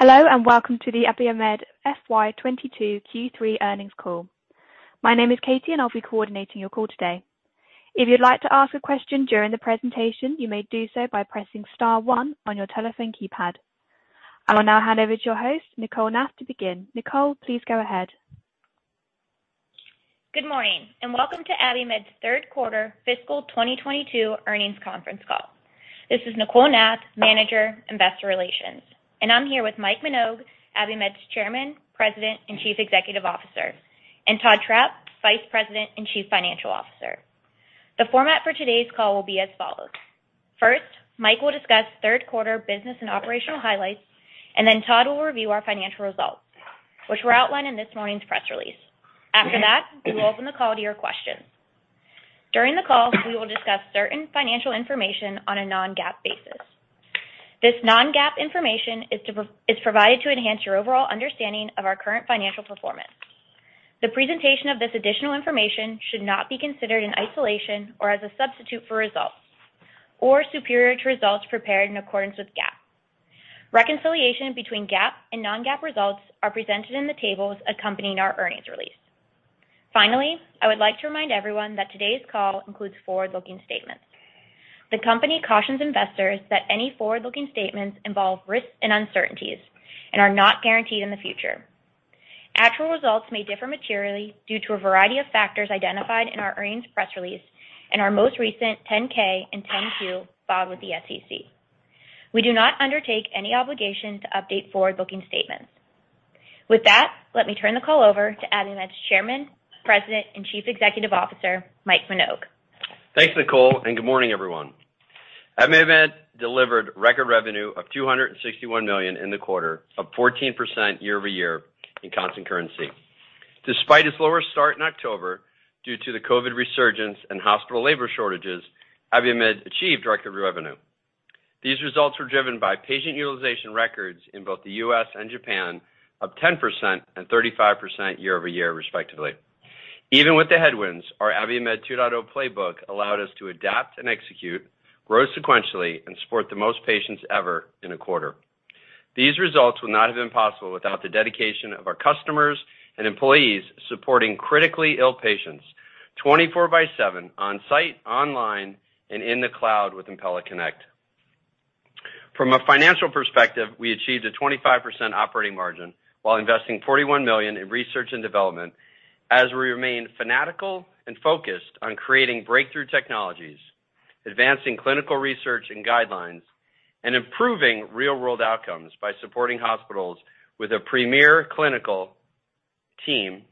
Hello, and welcome to the Abiomed FY 2022 Q3 earnings call. My name is Katie, and I'll be coordinating your call today. If you'd like to ask a question during the presentation, you may do so by pressing star one on your telephone keypad. I will now hand over to your host, Nicole Nath, to begin. Nicole, please go ahead. Good morning, and welcome to Abiomed's third quarter fiscal 2022 earnings conference call. This is Nicole Nath, Manager, Investor Relations, and I'm here with Mike Minogue, Abiomed's Chairman, President, and Chief Executive Officer, and Todd Trapp, Vice President and Chief Financial Officer. The format for today's call will be as follows. First, Mike will discuss third quarter business and operational highlights, and then Todd will review our financial results, which were outlined in this morning's press release. After that, we will open the call to your questions. During the call, we will discuss certain financial information on a non-GAAP basis. This non-GAAP information is provided to enhance your overall understanding of our current financial performance. The presentation of this additional information should not be considered in isolation or as a substitute for results or superior to results prepared in accordance with GAAP. Reconciliation between GAAP and non-GAAP results are presented in the tables accompanying our earnings release. Finally, I would like to remind everyone that today's call includes forward-looking statements. The company cautions investors that any forward-looking statements involve risks and uncertainties and are not guaranteed in the future. Actual results may differ materially due to a variety of factors identified in our earnings press release and our most recent 10-K and 10-Q filed with the SEC. We do not undertake any obligation to update forward-looking statements. With that, let me turn the call over to Abiomed's Chairman, President, and Chief Executive Officer, Mike Minogue. Thanks, Nicole, and good morning, everyone. Abiomed delivered record revenue of $261 million in the quarter of 14% year-over-year in constant currency. Despite its lower start in October due to the COVID resurgence and hospital labor shortages, Abiomed achieved record revenue. These results were driven by patient utilization records in both the U.S. and Japan of 10% and 35% year-over-year, respectively. Even with the headwinds, our Abiomed 2.0 playbook allowed us to adapt and execute, grow sequentially, and support the most patients ever in a quarter. These results would not have been possible without the dedication of our customers and employees supporting critically ill patients 24/7 on-site, online and in the cloud with Impella Connect. From a financial perspective, we achieved a 25% operating margin while investing $41 million in research and development as we remain fanatical and focused on creating breakthrough technologies, advancing clinical research and guidelines, and improving real-world outcomes by supporting hospitals with a premier clinical team.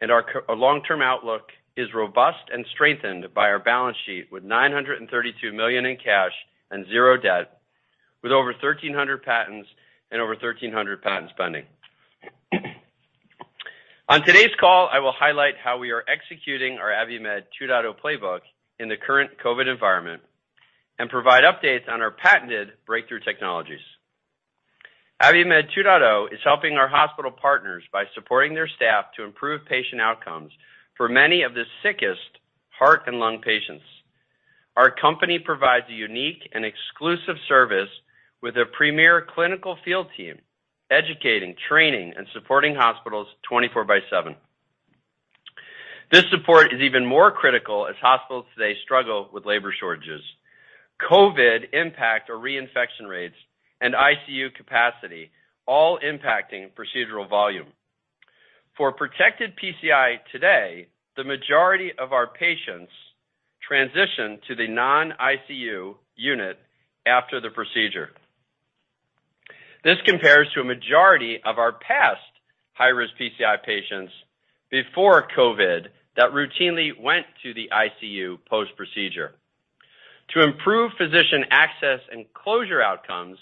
Our long-term outlook is robust and strengthened by our balance sheet with $932 million in cash and zero debt, with over 1,300 patents and over 1,300 patents pending. On today's call, I will highlight how we are executing our Abiomed 2.0 playbook in the current COVID environment and provide updates on our patented breakthrough technologies. Abiomed 2.0 is helping our hospital partners by supporting their staff to improve patient outcomes for many of the sickest heart and lung patients. Our company provides a unique and exclusive service with a premier clinical field team, educating, training and supporting hospitals 24/7. This support is even more critical as hospitals today struggle with labor shortages, COVID impact or reinfection rates, and ICU capacity, all impacting procedural volume. For protected PCI today, the majority of our patients transition to the non-ICU unit after the procedure. This compares to a majority of our past high-risk PCI patients before COVID that routinely went to the ICU post-procedure. To improve physician access and closure outcomes,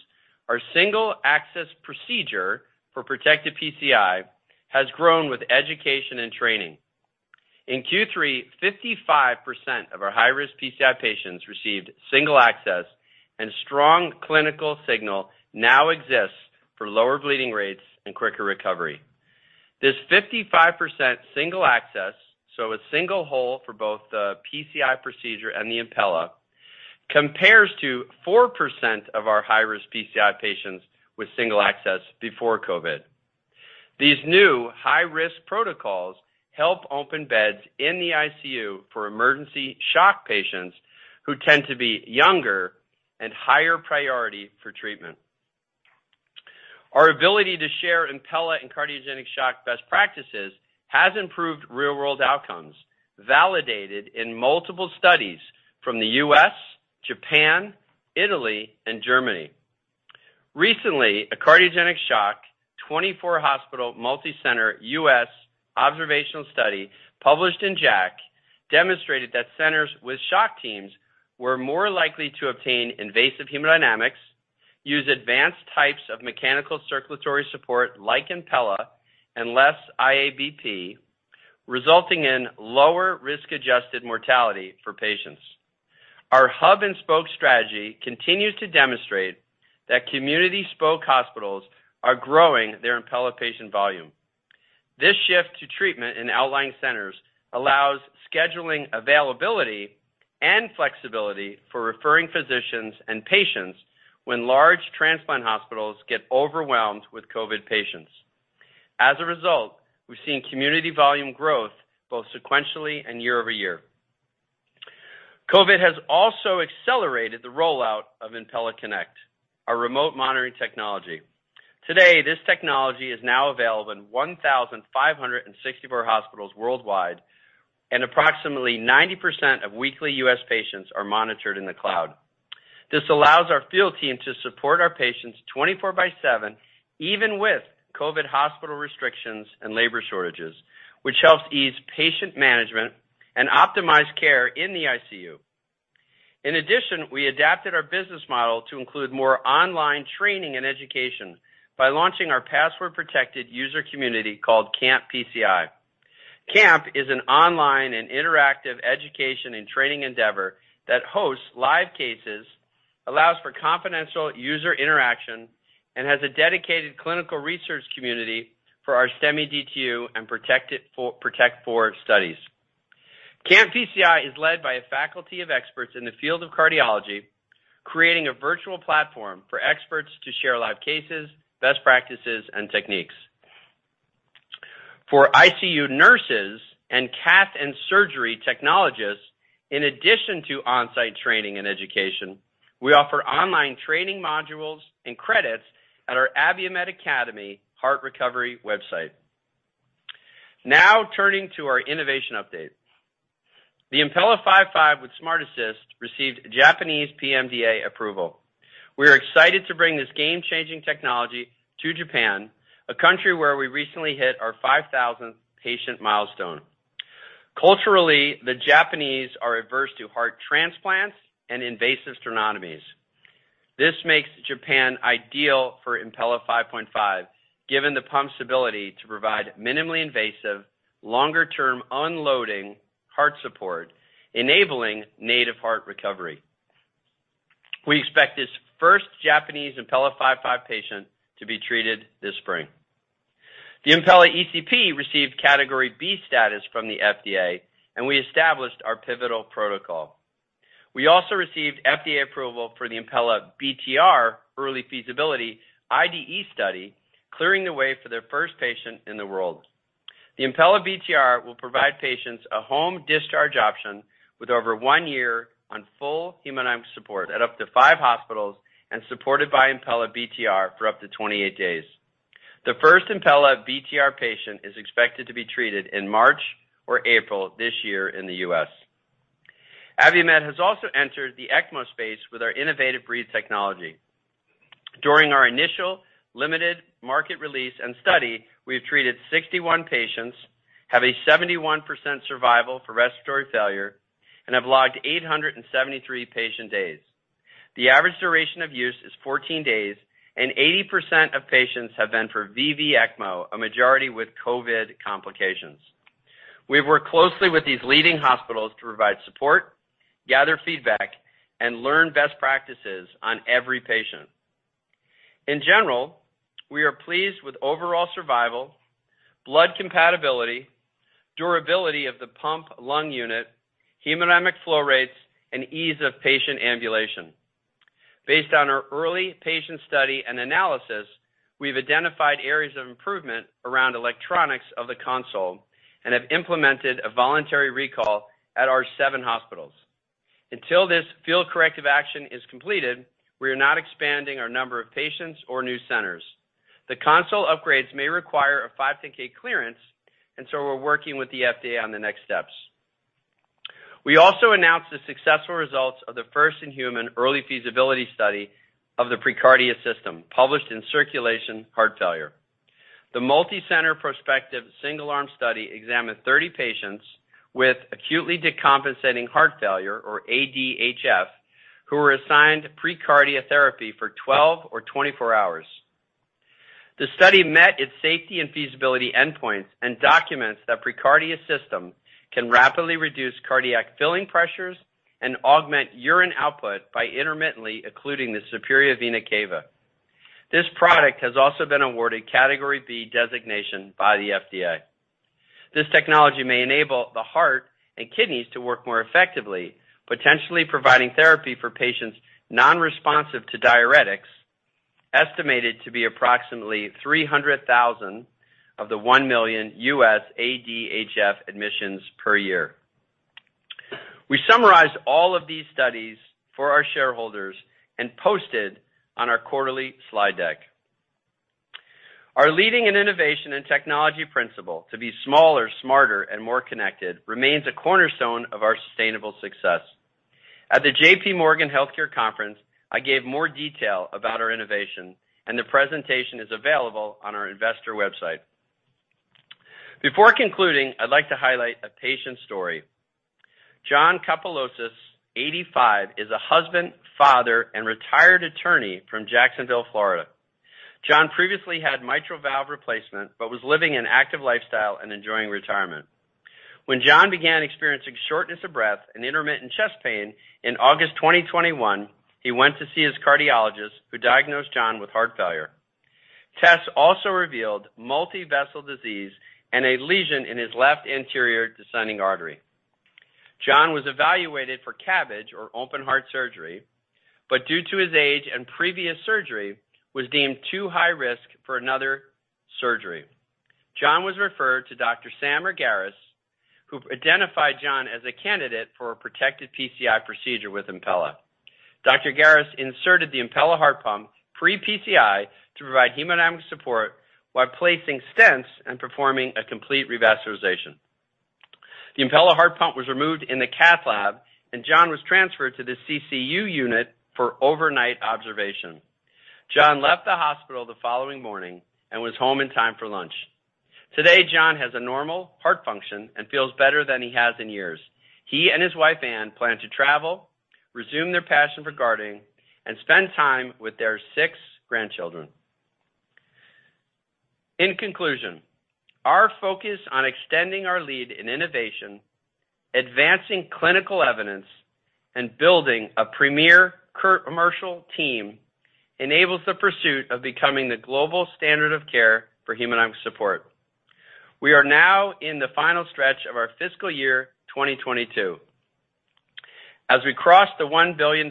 our single access procedure for protected PCI has grown with education and training. In Q3, 55% of our high-risk PCI patients received single access and strong clinical signal now exists for lower bleeding rates and quicker recovery. This 55% single access, so a single hole for both the PCI procedure and the Impella, compares to 4% of our high-risk PCI patients with single access before COVID. These new high-risk protocols help open beds in the ICU for emergency shock patients who tend to be younger and higher priority for treatment. Our ability to share Impella and cardiogenic shock best practices has improved real-world outcomes, validated in multiple studies from the U.S., Japan, Italy, and Germany. Recently, a cardiogenic shock 24-hospital multi-center U.S. observational study published in JACC demonstrated that centers with shock teams were more likely to obtain invasive hemodynamics, use advanced types of mechanical circulatory support like Impella and less IABP, resulting in lower risk-adjusted mortality for patients. Our hub and spoke strategy continues to demonstrate that community spoke hospitals are growing their Impella patient volume. This shift to treatment in outlying centers allows scheduling availability and flexibility for referring physicians and patients when large transplant hospitals get overwhelmed with COVID patients. As a result, we're seeing community volume growth both sequentially and year over year. COVID has also accelerated the rollout of Impella Connect, our remote monitoring technology. Today, this technology is now available in 1,564 hospitals worldwide, and approximately 90% of weekly US patients are monitored in the cloud. This allows our field team to support our patients 24/7, even with COVID hospital restrictions and labor shortages, which helps ease patient management and optimize care in the ICU. In addition, we adapted our business model to include more online training and education by launching our password-protected user community called CAMP PCI. CAMP PCI is an online and interactive education and training endeavor that hosts live cases, allows for confidential user interaction, and has a dedicated clinical research community for our STEMI DTU and PROTECT IV studies. CAMP PCI is led by a faculty of experts in the field of cardiology, creating a virtual platform for experts to share live cases, best practices, and techniques. For ICU nurses and cath and surgery technologists, in addition to on-site training and education, we offer online training modules and credits at our Abiomed Academy HeartRecovery website. Now turning to our innovation update. The Impella 5.5 with SmartAssist received Japanese PMDA approval. We are excited to bring this game-changing technology to Japan, a country where we recently hit our 5,000th patient milestone. Culturally, the Japanese are averse to heart transplants and invasive sternotomies. This makes Japan ideal for Impella 5.5, given the pump's ability to provide minimally invasive, longer-term unloading heart support, enabling native heart recovery. We expect this first Japanese Impella 5.5 patient to be treated this spring. The Impella ECP received Category B status from the FDA, and we established our pivotal protocol. We also received FDA approval for the Impella BTR early feasibility IDE study, clearing the way for their first patient in the world. The Impella BTR will provide patients a home discharge option with over one year on full hemodynamic support at up to five hospitals and supported by Impella BTR for up to 28 days. The first Impella BTR patient is expected to be treated in March or April this year in the U.S. Abiomed has also entered the ECMO space with our innovative Breethe technology. During our initial limited market release and study, we have treated 61 patients, have a 71% survival for respiratory failure, and have logged 873 patient days. The average duration of use is 14 days, and 80% of patients have been for VV ECMO, a majority with COVID complications. We've worked closely with these leading hospitals to provide support, gather feedback, and learn best practices on every patient. In general, we are pleased with overall survival, blood compatibility, durability of the pump lung unit, hemodynamic flow rates, and ease of patient ambulation. Based on our early patient study and analysis, we've identified areas of improvement around electronics of the console and have implemented a voluntary recall at our seven hospitals. Until this field corrective action is completed, we are not expanding our number of patients or new centers. The console upgrades may require a 510(k) clearance, and so we're working with the FDA on the next steps. We also announced the successful results of the first-in-human early feasibility study of the preCARDIA system, published in Circulation: Heart Failure. The multicenter prospective single-arm study examined 30 patients with acutely decompensating heart failure, or ADHF, who were assigned preCARDIA therapy for 12 or 24 hours. The study met its safety and feasibility endpoints and documents that preCARDIA system can rapidly reduce cardiac filling pressures and augment urine output by intermittently occluding the superior vena cava. This product has also been awarded Category B designation by the FDA. This technology may enable the heart and kidneys to work more effectively, potentially providing therapy for patients non-responsive to diuretics, estimated to be approximately 300,000 of the one million U.S. ADHF admissions per year. We summarized all of these studies for our shareholders and posted on our quarterly slide deck. Our leading in innovation and technology principle to be smaller, smarter, and more connected remains a cornerstone of our sustainable success. At the J.P. Morgan Healthcare Conference, I gave more detail about our innovation, and the presentation is available on our investor website. Before concluding, I'd like to highlight a patient story. John Kapelos, 85, is a husband, father, and retired attorney from Jacksonville, Florida. John previously had mitral valve replacement but was living an active lifestyle and enjoying retirement. When John began experiencing shortness of breath and intermittent chest pain in August 2021, he went to see his cardiologist, who diagnosed John with heart failure. Tests also revealed multi-vessel disease and a lesion in his left anterior descending artery. John was evaluated for CABG or Open Heart Surgery, but due to his age and previous surgery, was deemed too high risk for another surgery. John was referred to Dr. Sameer Gafoor, who identified John as a candidate for a protected PCI procedure with Impella. Dr. Gafoor inserted the Impella heart pump pre-PCI to provide hemodynamic support while placing stents and performing a complete revascularization. The Impella heart pump was removed in the cath lab, and John was transferred to the CCU unit for overnight observation. John left the hospital the following morning and was home in time for lunch. Today, John has a normal heart function and feels better than he has in years. He and his wife Anne plan to travel, resume their passion for gardening, and spend time with their six grandchildren. In conclusion, our focus on extending our lead in innovation, advancing clinical evidence, and building a premier commercial team enables the pursuit of becoming the global standard of care for hemodynamic support. We are now in the final stretch of our fiscal year 2022. As we cross the $1 billion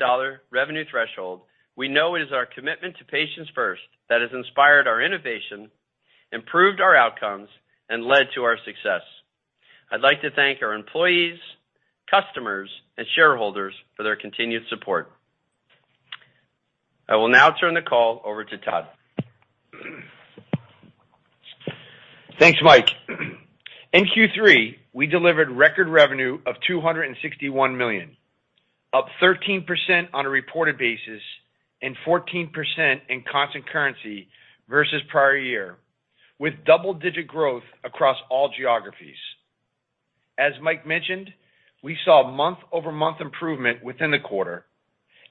revenue threshold, we know it is our commitment to patients first that has inspired our innovation, improved our outcomes, and led to our success. I'd like to thank our employees, customers, and shareholders for their continued support. I will now turn the call over to Todd. Thanks, Mike. In Q3, we delivered record revenue of $261 million, up 13% on a reported basis and 14% in constant currency versus prior year, with double-digit growth across all geographies. As Mike mentioned, we saw month-over-month improvement within the quarter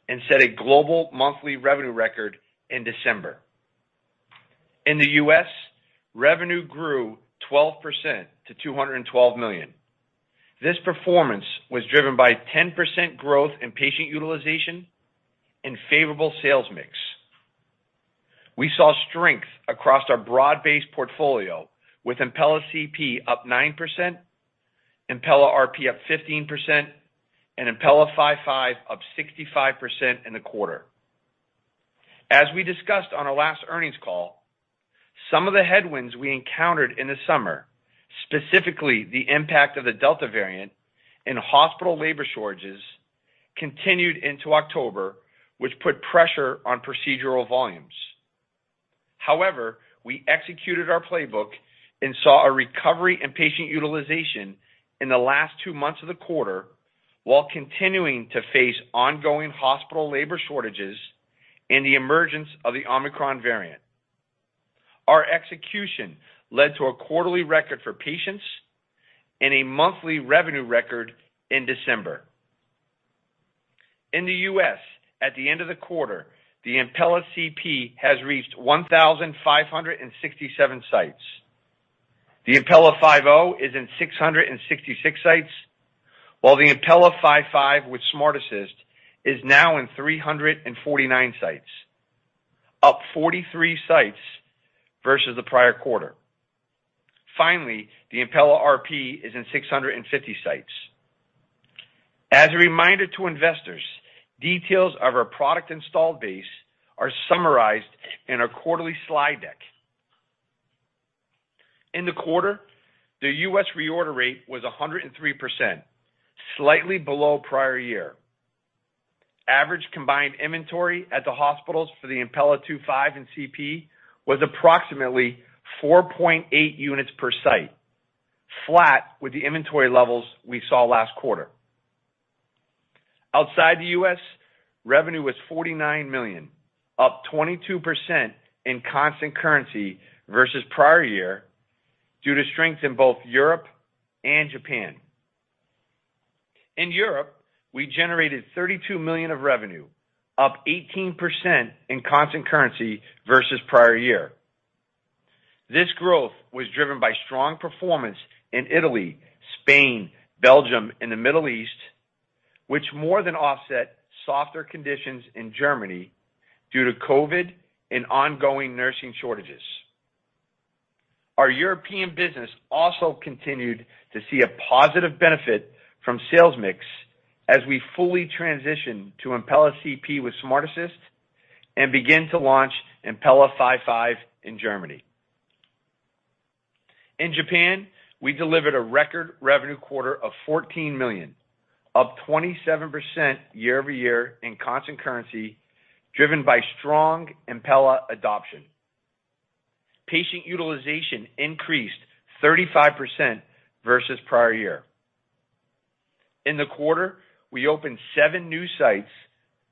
and set a global monthly revenue record in December. In the U.S., revenue grew 12% to $212 million. This performance was driven by 10% growth in patient utilization and favorable sales mix. We saw strength across our broad-based portfolio with Impella CP up 9%, Impella RP up 15%, and Impella 5.5 up 65% in the quarter. As we discussed on our last earnings call, some of the headwinds we encountered in the summer, specifically the impact of the Delta variant and hospital labor shortages, continued into October, which put pressure on procedural volumes. However, we executed our playbook and saw a recovery in patient utilization in the last two months of the quarter while continuing to face ongoing hospital labor shortages and the emergence of the Omicron variant. Our execution led to a quarterly record for patients and a monthly revenue record in December. In the U.S., at the end of the quarter, the Impella CP has reached 1,567 sites. The Impella 5.0 is in 666 sites, while the Impella 5.5 with SmartAssist is now in 349 sites, up 43 sites versus the prior quarter. Finally, the Impella RP is in 650 sites. As a reminder to investors, details of our product installed base are summarized in our quarterly slide deck. In the quarter, the U.S. reorder rate was 103%, slightly below prior year. Average combined inventory at the hospitals for the Impella 2.5 and CP was approximately 4.8 units per site, flat with the inventory levels we saw last quarter. Outside the U.S., revenue was $49 million, up 22% in constant currency versus prior year due to strength in both Europe and Japan. In Europe, we generated $32 million of revenue, up 18% in constant currency versus prior year. This growth was driven by strong performance in Italy, Spain, Belgium, and the Middle East, which more than offset softer conditions in Germany due to COVID and ongoing nursing shortages. Our European business also continued to see a positive benefit from sales mix as we fully transition to Impella CP with SmartAssist and begin to launch Impella 5.5 in Germany. In Japan, we delivered a record revenue quarter of $14 million, up 27% year-over-year in constant currency, driven by strong Impella adoption. Patient utilization increased 35% versus prior year. In the quarter, we opened seven new sites,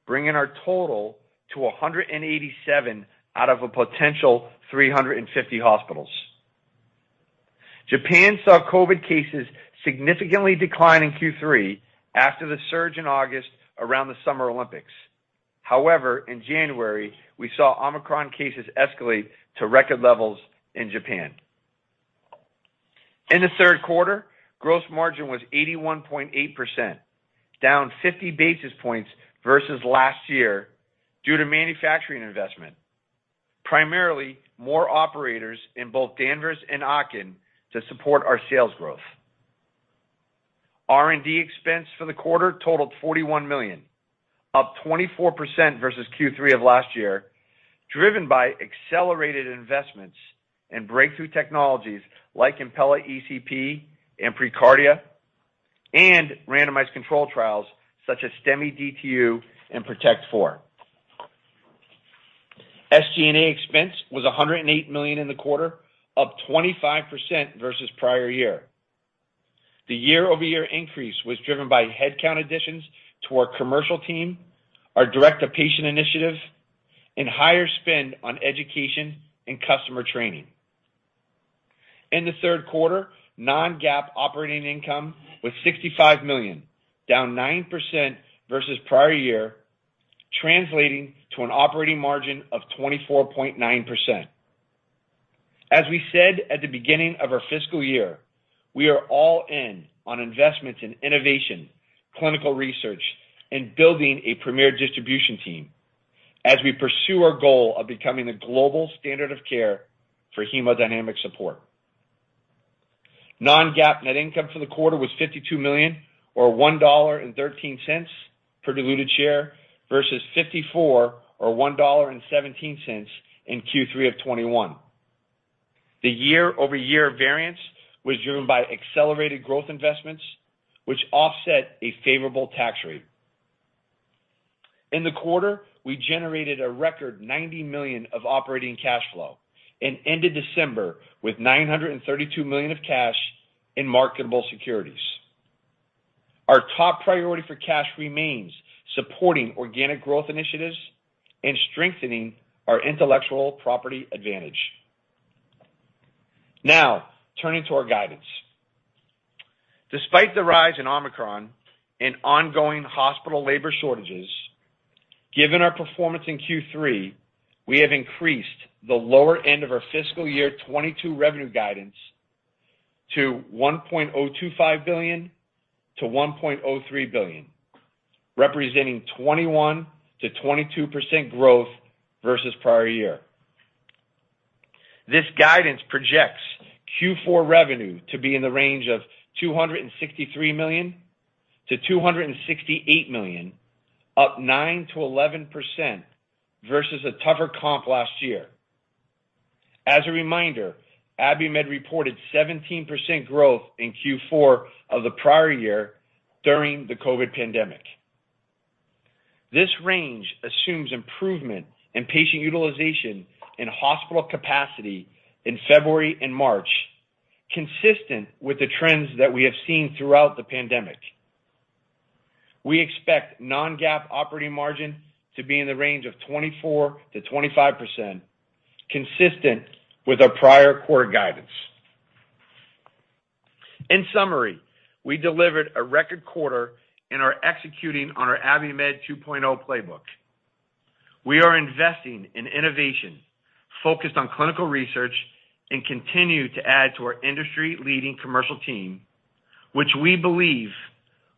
bringing our total to 187 out of a potential 350 hospitals. Japan saw COVID cases significantly decline in Q3 after the surge in August around the Summer Olympics. However, in January, we saw Omicron cases escalate to record levels in Japan. In the third quarter, gross margin was 81.8%, down 50 basis points versus last year due to manufacturing investment, primarily more operators in both Danvers and Aachen to support our sales growth. R&D expense for the quarter totaled $41 million, up 24% versus Q3 of last year, driven by accelerated investments in breakthrough technologies like Impella ECP and preCARDIA and randomized controlled trials such as STEMI DTU and PROTECT IV. SG&A expense was $108 million in the quarter, up 25% versus prior year. The year-over-year increase was driven by headcount additions to our commercial team, our direct-to-patient initiative, and higher spend on education and customer training. In the third quarter, non-GAAP operating income was $65 million, down 9% versus prior year, translating to an operating margin of 24.9%. As we said at the beginning of our fiscal year, we are all in on investments in innovation, clinical research, and building a premier distribution team as we pursue our goal of becoming the global standard of care for hemodynamic support. Non-GAAP net income for the quarter was $52 million or $1.13 per diluted share versus $54 million or $1.17 in Q3 of 2021. The year-over-year variance was driven by accelerated growth investments which offset a favorable tax rate. In the quarter, we generated a record $90 million of operating cash flow and ended December with $932 million of cash in marketable securities. Our top priority for cash remains supporting organic growth initiatives and strengthening our intellectual property advantage. Now, turning to our guidance. Despite the rise in Omicron and ongoing hospital labor shortages, given our performance in Q3, we have increased the lower end of our fiscal year 2022 revenue guidance to $1.025 billion-$1.03 billion, representing 21%-22% growth versus prior year. This guidance projects Q4 revenue to be in the range of $263 million-$268 million, up 9%-11% versus a tougher comp last year. As a reminder, Abiomed reported 17% growth in Q4 of the prior year during the COVID pandemic. This range assumes improvement in patient utilization and hospital capacity in February and March, consistent with the trends that we have seen throughout the pandemic. We expect non-GAAP operating margin to be in the range of 24%-25%, consistent with our prior quarter guidance. In summary, we delivered a record quarter and are executing on our Abiomed 2.0 playbook. We are investing in innovation focused on clinical research and continue to add to our industry-leading commercial team, which we believe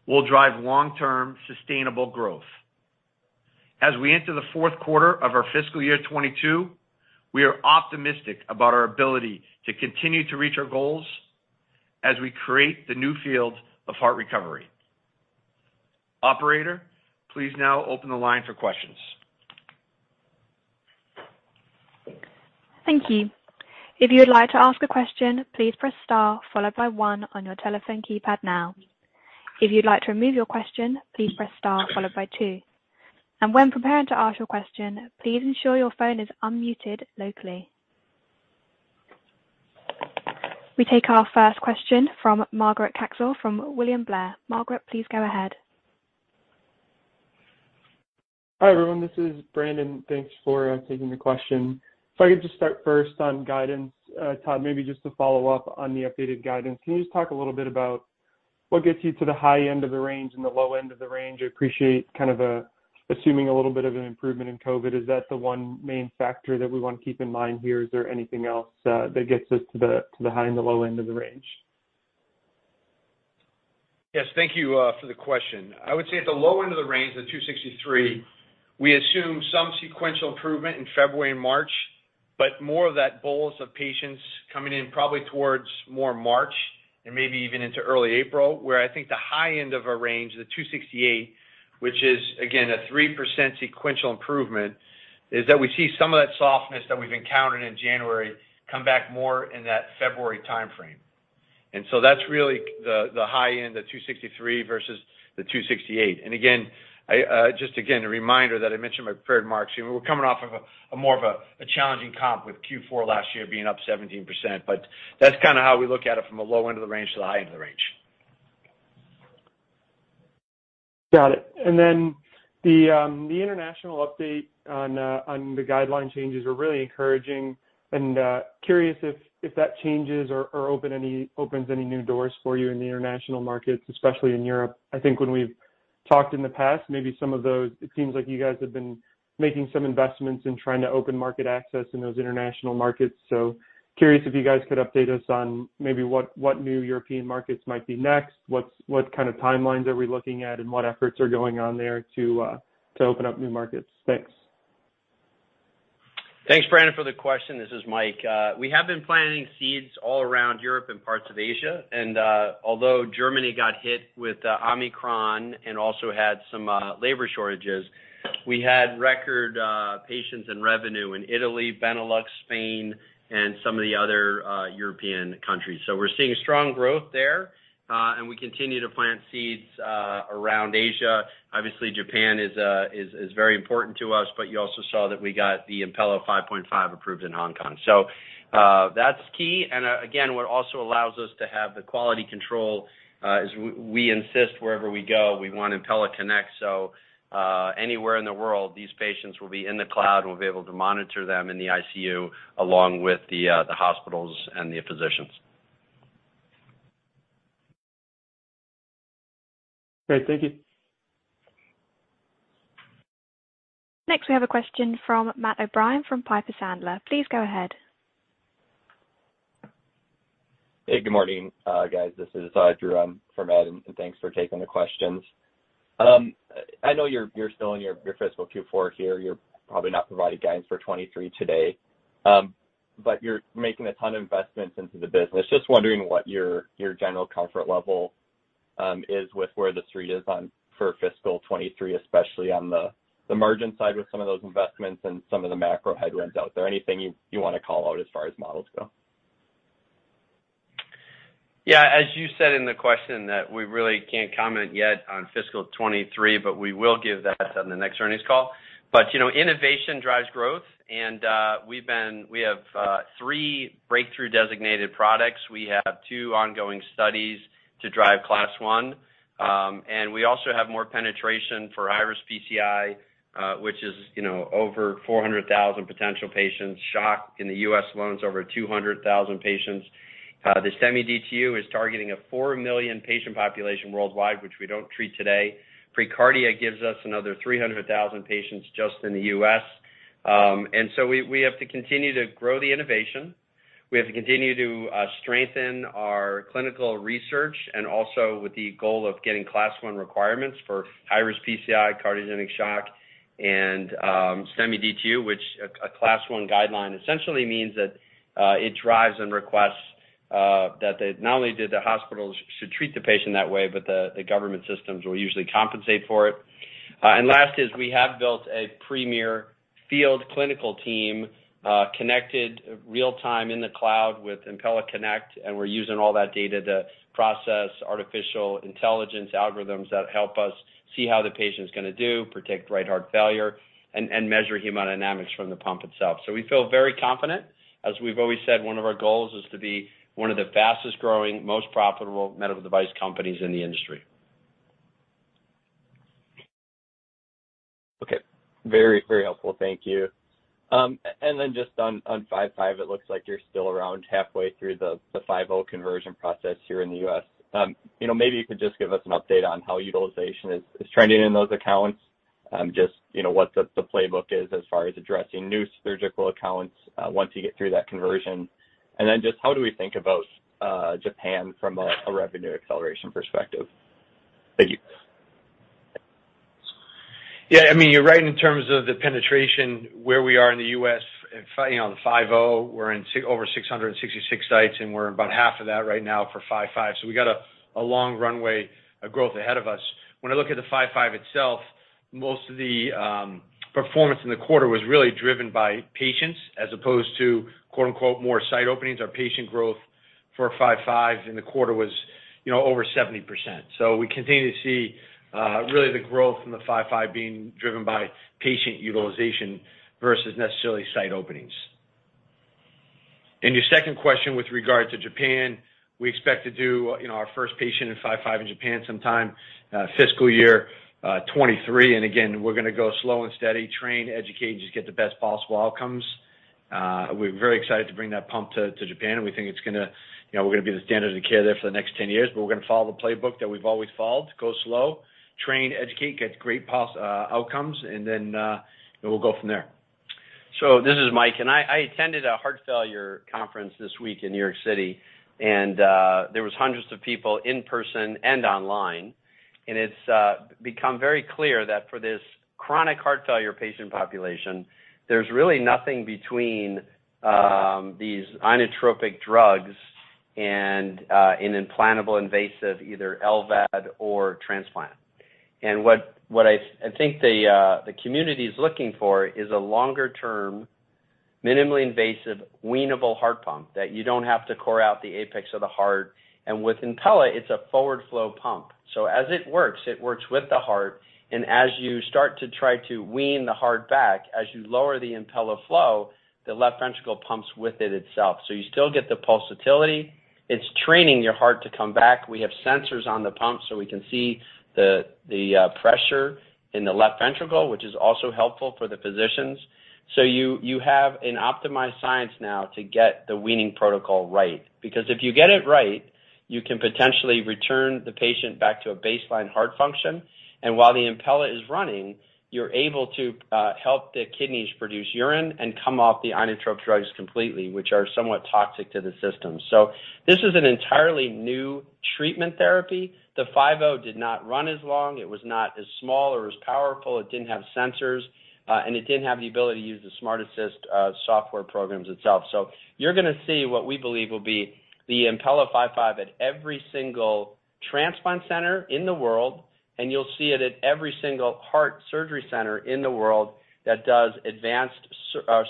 will drive long-term sustainable growth. As we enter the fourth quarter of our fiscal year 2022, we are optimistic about our ability to continue to reach our goals as we create the new field of heart recovery. Operator, please now open the line for questions. Thank you. If you would like to ask a question, please press star followed by one on your telephone keypad now. If you'd like to remove your question, please press star followed by two. When preparing to ask your question, please ensure your phone is unmuted locally. We take our first question from Margaret Kuntz from William Blair. Margaret, please go ahead. Hi, everyone. This is Brandon. Thanks for taking the question. If I could just start first on guidance, Todd, maybe just to follow up on the updated guidance. Can you just talk a little bit about what gets you to the high end of the range and the low end of the range? I appreciate kind of assuming a little bit of an improvement in COVID. Is that the one main factor that we wanna keep in mind here? Is there anything else that gets us to the high and the low end of the range? Yes. Thank you for the question. I would say at the low end of the range, the $263, we assume some sequential improvement in February and March, but more of that bolus of patients coming in probably towards more March and maybe even into early April, where I think the high end of our range, the $268, which is again a 3% sequential improvement, is that we see some of that softness that we've encountered in January come back more in that February timeframe. That's really the high end, the $263 versus the $268. Just again, a reminder that I mentioned in my prepared remarks. You know, we're coming off of a more of a challenging comp with Q4 last year being up 17%, but that's kinda how we look at it from the low end of the range to the high end of the range. Got it. Then the international update on the guideline changes is really encouraging. I'm curious if that opens any new doors for you in the international markets, especially in Europe. I think when we've talked in the past, maybe some of those. It seems like you guys have been making some investments in trying to open market access in those international markets. I'm curious if you guys could update us on maybe what new European markets might be next? What kind of timelines are we looking at, and what efforts are going on there to open up new markets? Thanks. Thanks, Brandon, for the question. This is Mike. We have been planting seeds all around Europe and parts of Asia, and although Germany got hit with Omicron and also had some labor shortages, we had record patients and revenue in Italy, Benelux, Spain, and some of the other European countries. We're seeing strong growth there, and we continue to plant seeds around Asia. Obviously, Japan is very important to us, but you also saw that we got the Impella 5.5 approved in Hong Kong. That's key, and again, what also allows us to have the quality control is we insist wherever we go, we want Impella Connect. Anywhere in the world, these patients will be in the cloud. We'll be able to monitor them in the ICU, along with the hospitals and the physicians. Great. Thank you. Next, we have a question from Matt O'Brien from Piper Sandler. Please go ahead. Hey, good morning, guys. This is Drew for Matt, and thanks for taking the questions. I know you're still in your fiscal Q4 here. You're probably not providing guidance for 2023 today. You're making a ton of investments into the business. Just wondering what your general comfort level is with where The Street is on for fiscal 2023, especially on the merchant side with some of those investments and some of the macro headwinds out there. Anything you wanna call out as far as models go? As you said in the question that we really can't comment yet on fiscal 2023, but we will give that on the next earnings call. You know, innovation drives growth, and we have three breakthrough-designated products. We have two ongoing studies to drive Class 1. We also have more penetration for high-risk PCI, which is, you know, over 400,000 potential patients. Shock in the U.S. alone is over 200,000 patients. The STEMI DTU is targeting a four million patient population worldwide, which we don't treat today. preCARDIA gives us another 300,000 patients just in the U.S. We have to continue to grow the innovation. We have to continue to strengthen our clinical research and also with the goal of getting Class 1 requirements for high-risk PCI, cardiogenic shock, and STEMI DTU, which a Class 1 guideline essentially means that it drives and requests that not only do the hospitals should treat the patient that way, but the government systems will usually compensate for it. Last is we have built a premier field clinical team connected real-time in the cloud with Impella Connect, and we're using all that data to process artificial intelligence algorithms that help us see how the patient's gonna do, predict right heart failure, and measure hemodynamics from the pump itself. We feel very confident. As we've always said, one of our goals is to be one of the fastest-growing, most profitable medical device companies in the industry. Okay. Very, very helpful. Thank you. Then just on 5.5, it looks like you're still around halfway through the 5.0 conversion process here in the U.S. You know, maybe you could just give us an update on how utilization is trending in those accounts, just, you know, what the playbook is as far as addressing new surgical accounts once you get through that conversion. Then just how do we think about Japan from a revenue acceleration perspective? Thank you. Yeah, I mean, you're right in terms of the penetration where we are in the U.S., you know, in the 5.0, we're in over 666 sites, and we're about half of that right now for 5.5. We got a long runway of growth ahead of us. When I look at the 5.5 itself, most of the performance in the quarter was really driven by patients as opposed to more site openings or patient growth for 5.5, and the quarter was over 70%. We continue to see really the growth from the 5.5 being driven by patient utilization versus necessarily site openings. Your second question with regard to Japan, we expect to do our first patient in 5.5 in Japan sometime fiscal year 2023. We're gonna go slow and steady, train, educate, just get the best possible outcomes. We're very excited to bring that pump to Japan, and we think it's gonna. You know, we're gonna be the standard of care there for the next 10 years, but we're gonna follow the playbook that we've always followed, go slow, train, educate, get great outcomes, and then, and we'll go from there. This is Mike, and I attended a heart failure conference this week in New York City, and there were hundreds of people in person and online. It's become very clear that for this chronic heart failure patient population, there's really nothing between these inotropic drugs and an implantable invasive, either LVAD or transplant. What I think the community is looking for is a longer-term, minimally invasive, weanable heart pump that you don't have to core out the apex of the heart. With Impella, it's a forward flow pump. As it works, it works with the heart, and as you start to try to wean the heart back, as you lower the Impella flow, the left ventricle pumps with it itself. You still get the pulsatility. It's training your heart to come back. We have sensors on the pump, so we can see the pressure in the left ventricle, which is also helpful for the physicians. You have an optimized science now to get the weaning protocol right. Because if you get it right, you can potentially return the patient back to a baseline heart function. While the Impella is running, you're able to help the kidneys produce urine and come off the inotrope drugs completely, which are somewhat toxic to the system. This is an entirely new treatment therapy. The 5.0 did not run as long. It was not as small or as powerful. It didn't have sensors, and it didn't have the ability to use the SmartAssist software programs itself. You're gonna see what we believe will be the Impella 5.5 at every single transplant center in the world, and you'll see it at every single heart surgery center in the world that does advanced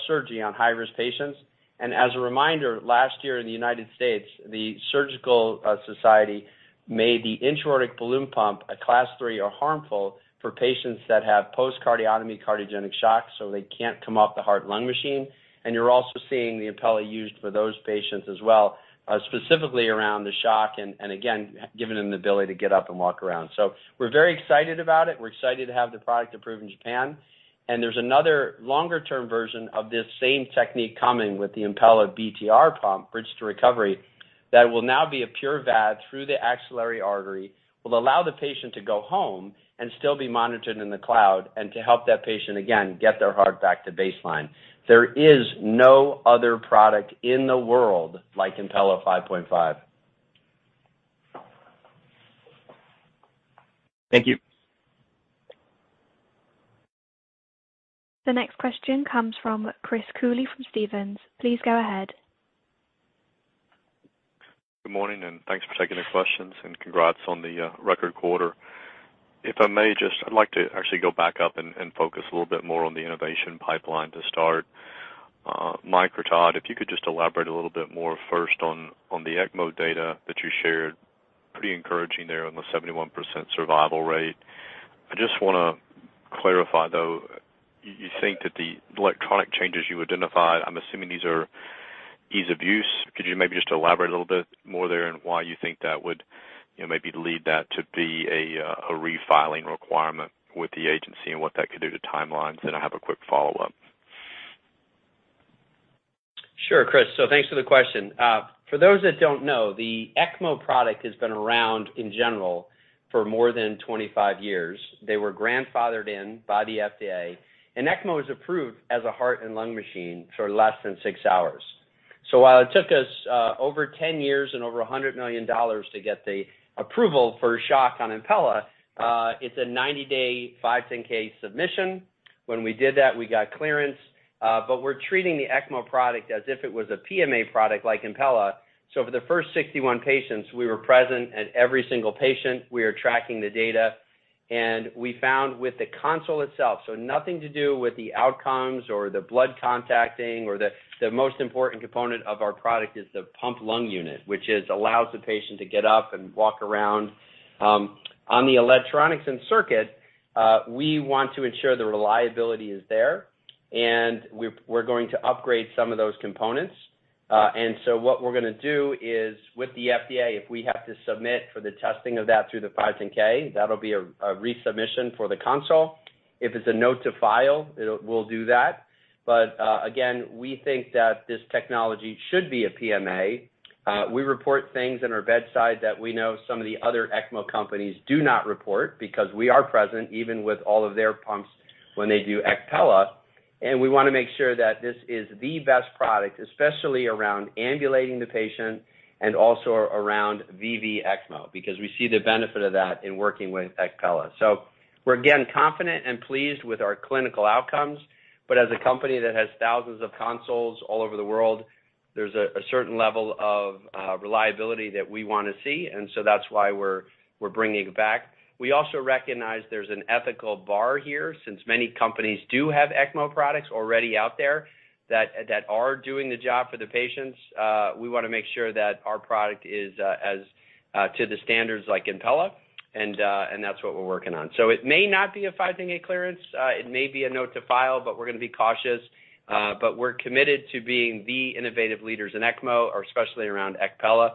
surgery on high-risk patients. As a reminder, last year in the United States, the surgical society made the intra-aortic balloon pump a class three or harmful for patients that have post-cardiotomy cardiogenic shock, so they can't come off the heart-lung machine. You're also seeing the Impella used for those patients as well, specifically around the shock and again, giving them the ability to get up and walk around. We're very excited about it. We're excited to have the product approved in Japan. There's another longer-term version of this same technique coming with the Impella BTR pump, Bridge to Recovery, that will now be a pure VAD through the axillary artery, will allow the patient to go home and still be monitored in the cloud and to help that patient, again, get their heart back to baseline. There is no other product in the world like Impella 5.5. Thank you. The next question comes from Chris Cooley from Stephens. Please go ahead. Good morning, and thanks for taking the questions, and congrats on the record quarter. If I may, I'd like to actually go back up and focus a little bit more on the innovation pipeline to start. Mike or Todd, if you could just elaborate a little bit more first on the ECMO data that you shared. Pretty encouraging there on the 71% survival rate. I just wanna clarify, though, you think that the electronic changes you identified. I'm assuming these are ease of use. Could you maybe just elaborate a little bit more there and why you think that would, you know, maybe lead that to be a refiling requirement with the agency and what that could do to timelines? I have a quick follow-up. Sure, Chris. Thanks for the question. For those that don't know, the ECMO product has been around in general for more than 25 years. They were grandfathered in by the FDA, and ECMO is approved as a heart and lung machine for less than six hours. While it took us over 10 years and over $100 million to get the approval for a shock on Impella, it's a 90-day 510(k) submission. When we did that, we got clearance, but we're treating the ECMO product as if it was a PMA product like Impella. For the first 61 patients, we were present at every single patient. We are tracking the data, and we found with the console itself, so nothing to do with the outcomes or the blood contacting. The most important component of our product is the pump lung unit, which allows the patient to get up and walk around. On the electronics and circuit, we want to ensure the reliability is there, and we're going to upgrade some of those components. What we're gonna do is with the FDA, if we have to submit for the testing of that through the 510(k), that'll be a resubmission for the console. If it's a note to file, it'll, we'll do that. Again, we think that this technology should be a PMA. We report things in our bedside that we know some of the other ECMO companies do not report because we are present even with all of their pumps when they do ECMO, and we wanna make sure that this is the best product, especially around ambulating the patient and also around VV ECMO, because we see the benefit of that in working with ECMO. We're, again, confident and pleased with our clinical outcomes. As a company that has thousands of consoles all over the world, there's a certain level of reliability that we wanna see. That's why we're bringing it back. We also recognize there's an ethical bar here, since many companies do have ECMO products already out there that are doing the job for the patients. We wanna make sure that our product is up to the standards like Impella, and that's what we're working on. It may not be a 510(k) clearance. It may be a note to file, but we're gonna be cautious. We're committed to being the innovative leaders in ECMO or especially around ECMO.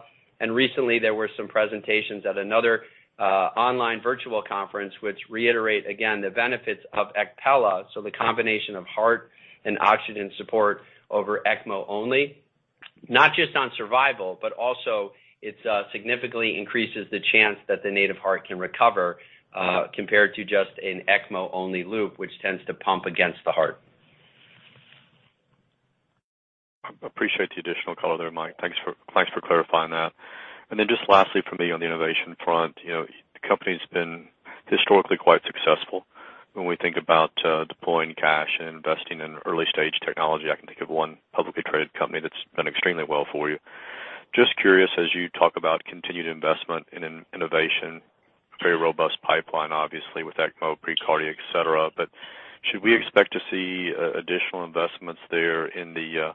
Recently, there were some presentations at another online virtual conference which reiterate again the benefits of ECMO, so the combination of heart and oxygen support over ECMO only, not just on survival, but also it significantly increases the chance that the native heart can recover, compared to just an ECMO-only loop, which tends to pump against the heart. Appreciate the additional color there, Mike. Thanks for clarifying that. Just lastly for me on the innovation front, you know, the company's been historically quite successful when we think about deploying cash and investing in early-stage technology. I can think of one publicly traded company that's done extremely well for you. Just curious, as you talk about continued investment in innovation, very robust pipeline, obviously with ECMO, preCARDIA, et cetera. Should we expect to see additional investments there in the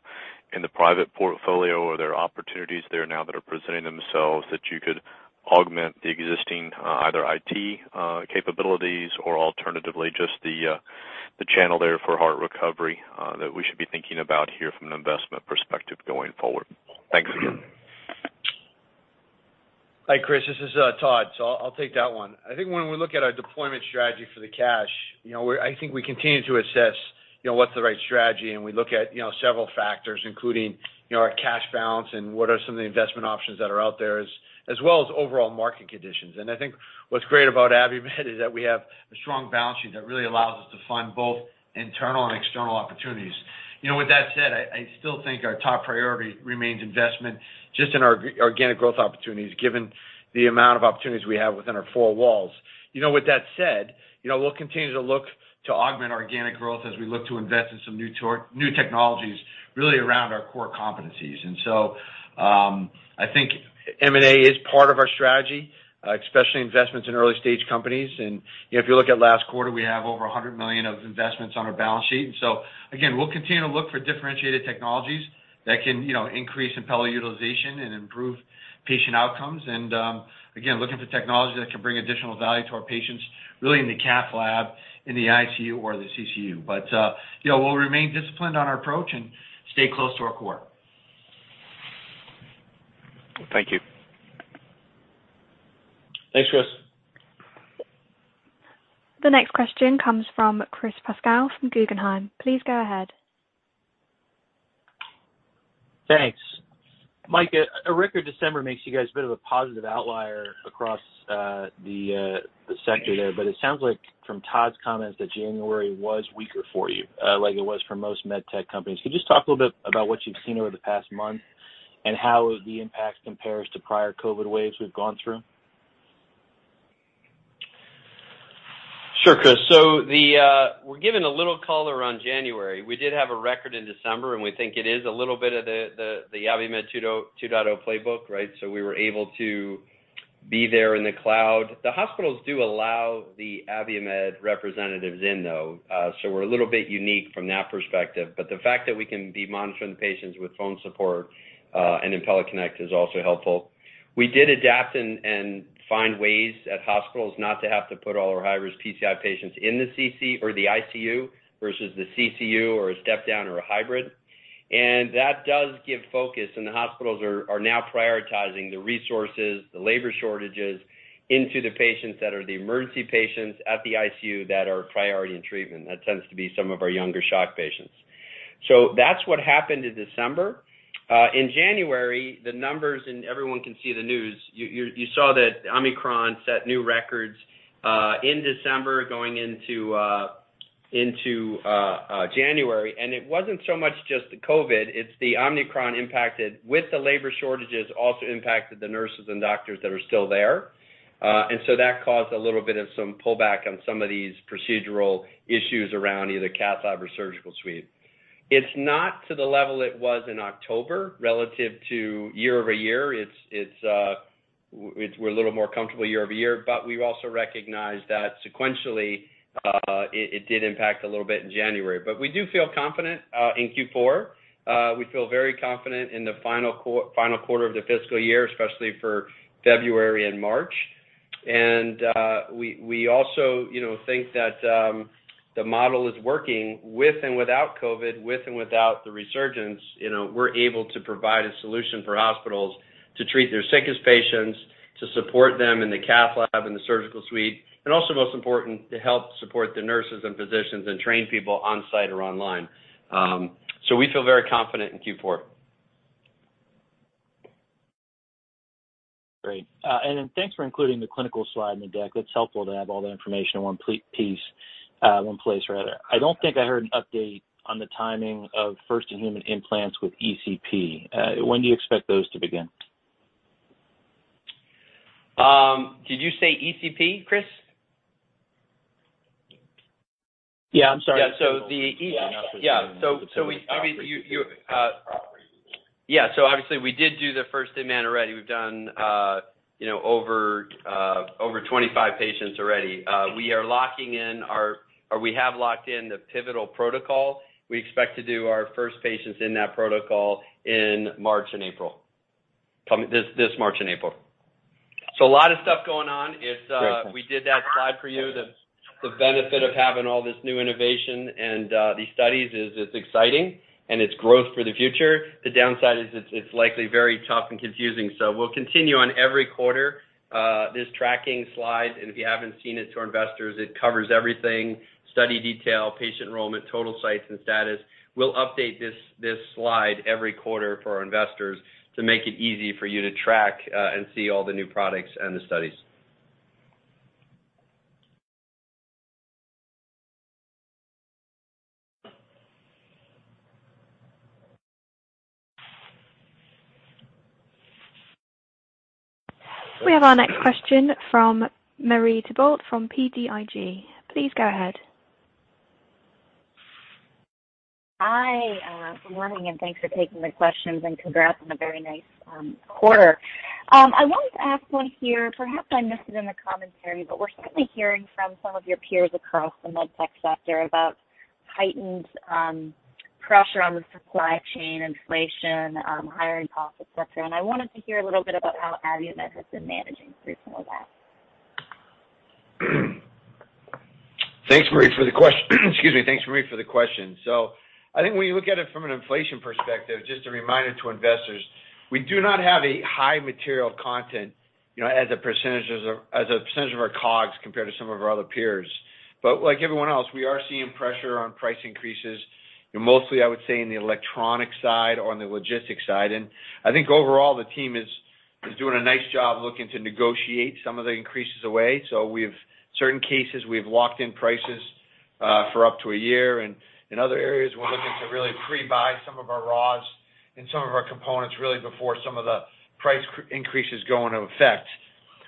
private portfolio? Are there opportunities there now that are presenting themselves that you could augment the existing either IT capabilities or alternatively just the channel there for HeartRecovery that we should be thinking about here from an investment perspective going forward? Thanks again. Hi, Chris, this is Todd. I'll take that one. I think when we look at our deployment strategy for the cash, you know, I think we continue to assess, you know, what's the right strategy. We look at, you know, several factors, including, you know, our cash balance and what are some of the investment options that are out there as well as overall market conditions. I think what's great about Abiomed is that we have a strong balance sheet that really allows us to fund both internal and external opportunities. You know, with that said, I still think our top priority remains investment just in our organic growth opportunities, given the amount of opportunities we have within our four walls. You know, with that said, you know, we'll continue to look to augment our organic growth as we look to invest in some new technologies really around our core competencies. I think M&A is part of our strategy, especially investments in early-stage companies. You know, if you look at last quarter, we have over $100 million of investments on our balance sheet. Again, we'll continue to look for differentiated technologies that can, you know, increase Impella utilization and improve patient outcomes. Again, looking for technology that can bring additional value to our patients, really in the cath lab, in the ICU or the CCU. You know, we'll remain disciplined on our approach and stay close to our core. Thank you. Thanks, Chris. The next question comes from Chris Pasquale from Guggenheim. Please go ahead. Thanks. Mike, a record December makes you guys a bit of a positive outlier across the sector there. It sounds like from Todd's comments that January was weaker for you, like it was for most med tech companies. Could you just talk a little bit about what you've seen over the past month and how the impact compares to prior COVID waves we've gone through? Sure, Chris. We're giving a little color on January. We did have a record in December, and we think it is a little bit of the Abiomed 2.0 playbook, right? We were able to be there in the cloud. The hospitals do allow the Abiomed representatives in, though, so we're a little bit unique from that perspective. But the fact that we can be monitoring the patients with phone support and Impella Connect is also helpful. We did adapt and find ways at hospitals not to have to put all our high-risk PCI patients in the CCU or the ICU versus the CCU or a step down or a hybrid. That does give focus, and the hospitals are now prioritizing the resources, the labor shortages into the patients that are the emergency patients at the ICU that are priority in treatment. That tends to be some of our younger shock patients. That's what happened in December. In January, the numbers, and everyone can see the news, you saw that Omicron set new records in December going into January. It wasn't so much just the COVID, it's the Omicron impacted with the labor shortages also impacted the nurses and doctors that are still there. That caused a little bit of some pullback on some of these procedural issues around either cath lab or surgical suite. It's not to the level it was in October relative to year-over-year. We're a little more comfortable year-over-year, but we also recognize that sequentially, it did impact a little bit in January. We do feel confident in Q4. We feel very confident in the final quarter of the fiscal year, especially for February and March. We also, you know, think that the model is working with and without COVID, with and without the resurgence. You know, we're able to provide a solution for hospitals to treat their sickest patients, to support them in the cath lab and the surgical suite, and also most important, to help support the nurses and physicians and train people on-site or online. We feel very confident in Q4. Great. Thanks for including the clinical slide in the deck. That's helpful to have all that information in one place rather. I don't think I heard an update on the timing of first in human implants with ECP. When do you expect those to begin? Did you say ECP, Chris? Yeah. I'm sorry. Yeah. So the E- Yeah. Yeah. Obviously we did do the first in man already. We've done over 25 patients already. We have locked in the pivotal protocol. We expect to do our first patients in that protocol in March and April. This March and April. A lot of stuff going on. It's Great. We did that slide for you. The benefit of having all this new innovation and these studies is it's exciting and it's growth for the future. The downside is it's likely very tough and confusing. We'll continue on every quarter this tracking slide, and if you haven't seen it to our investors, it covers everything, study detail, patient enrollment, total sites, and status. We'll update this slide every quarter for our investors to make it easy for you to track and see all the new products and the studies. We have our next question from Marie Thibault from BTIG. Please go ahead. Hi, good morning, and thanks for taking the questions, and congrats on a very nice quarter. I wanted to ask one here. Perhaps I missed it in the commentary, but we're certainly hearing from some of your peers across the med tech sector about heightened pressure on the supply chain, inflation, hiring costs, et cetera. I wanted to hear a little bit about how Abiomed has been managing through some of that. Thanks, Marie, for the question. I think when you look at it from an inflation perspective, just a reminder to investors, we do not have a high material content, you know, as a percentage of our COGS compared to some of our other peers. Like everyone else, we are seeing pressure on price increases, mostly, I would say, in the electronic side or on the logistics side. I think overall, the team is doing a nice job looking to negotiate some of the increases away. We've locked in prices in certain cases for up to a year. In other areas, we're looking to really pre-buy some of our raws and some of our components really before some of the price increases go into effect.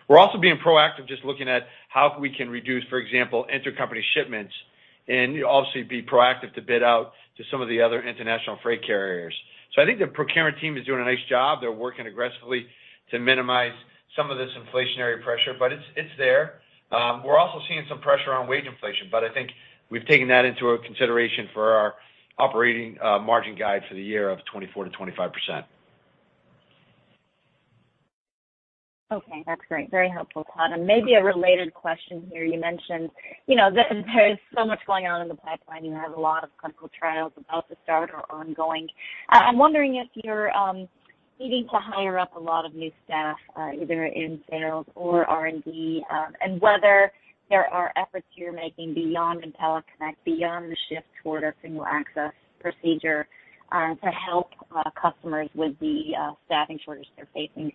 We're also being proactive just looking at how we can reduce, for example, intercompany shipments and obviously be proactive to bid out to some of the other international freight carriers. I think the procurement team is doing a nice job. They're working aggressively to minimize some of this inflationary pressure, but it's there. We're also seeing some pressure on wage inflation, but I think we've taken that into a consideration for our operating margin guide for the year of 24%-25%. Okay, that's great. Very helpful, Todd. Maybe a related question here. You mentioned, you know, there is so much going on in the pipeline. You have a lot of clinical trials about to start or ongoing. I'm wondering if you're needing to hire up a lot of new staff, either in sales or R&D, and whether there are efforts you're making beyond Impella Connect, beyond the shift toward a single access procedure, to help customers with the staffing shortage they're facing.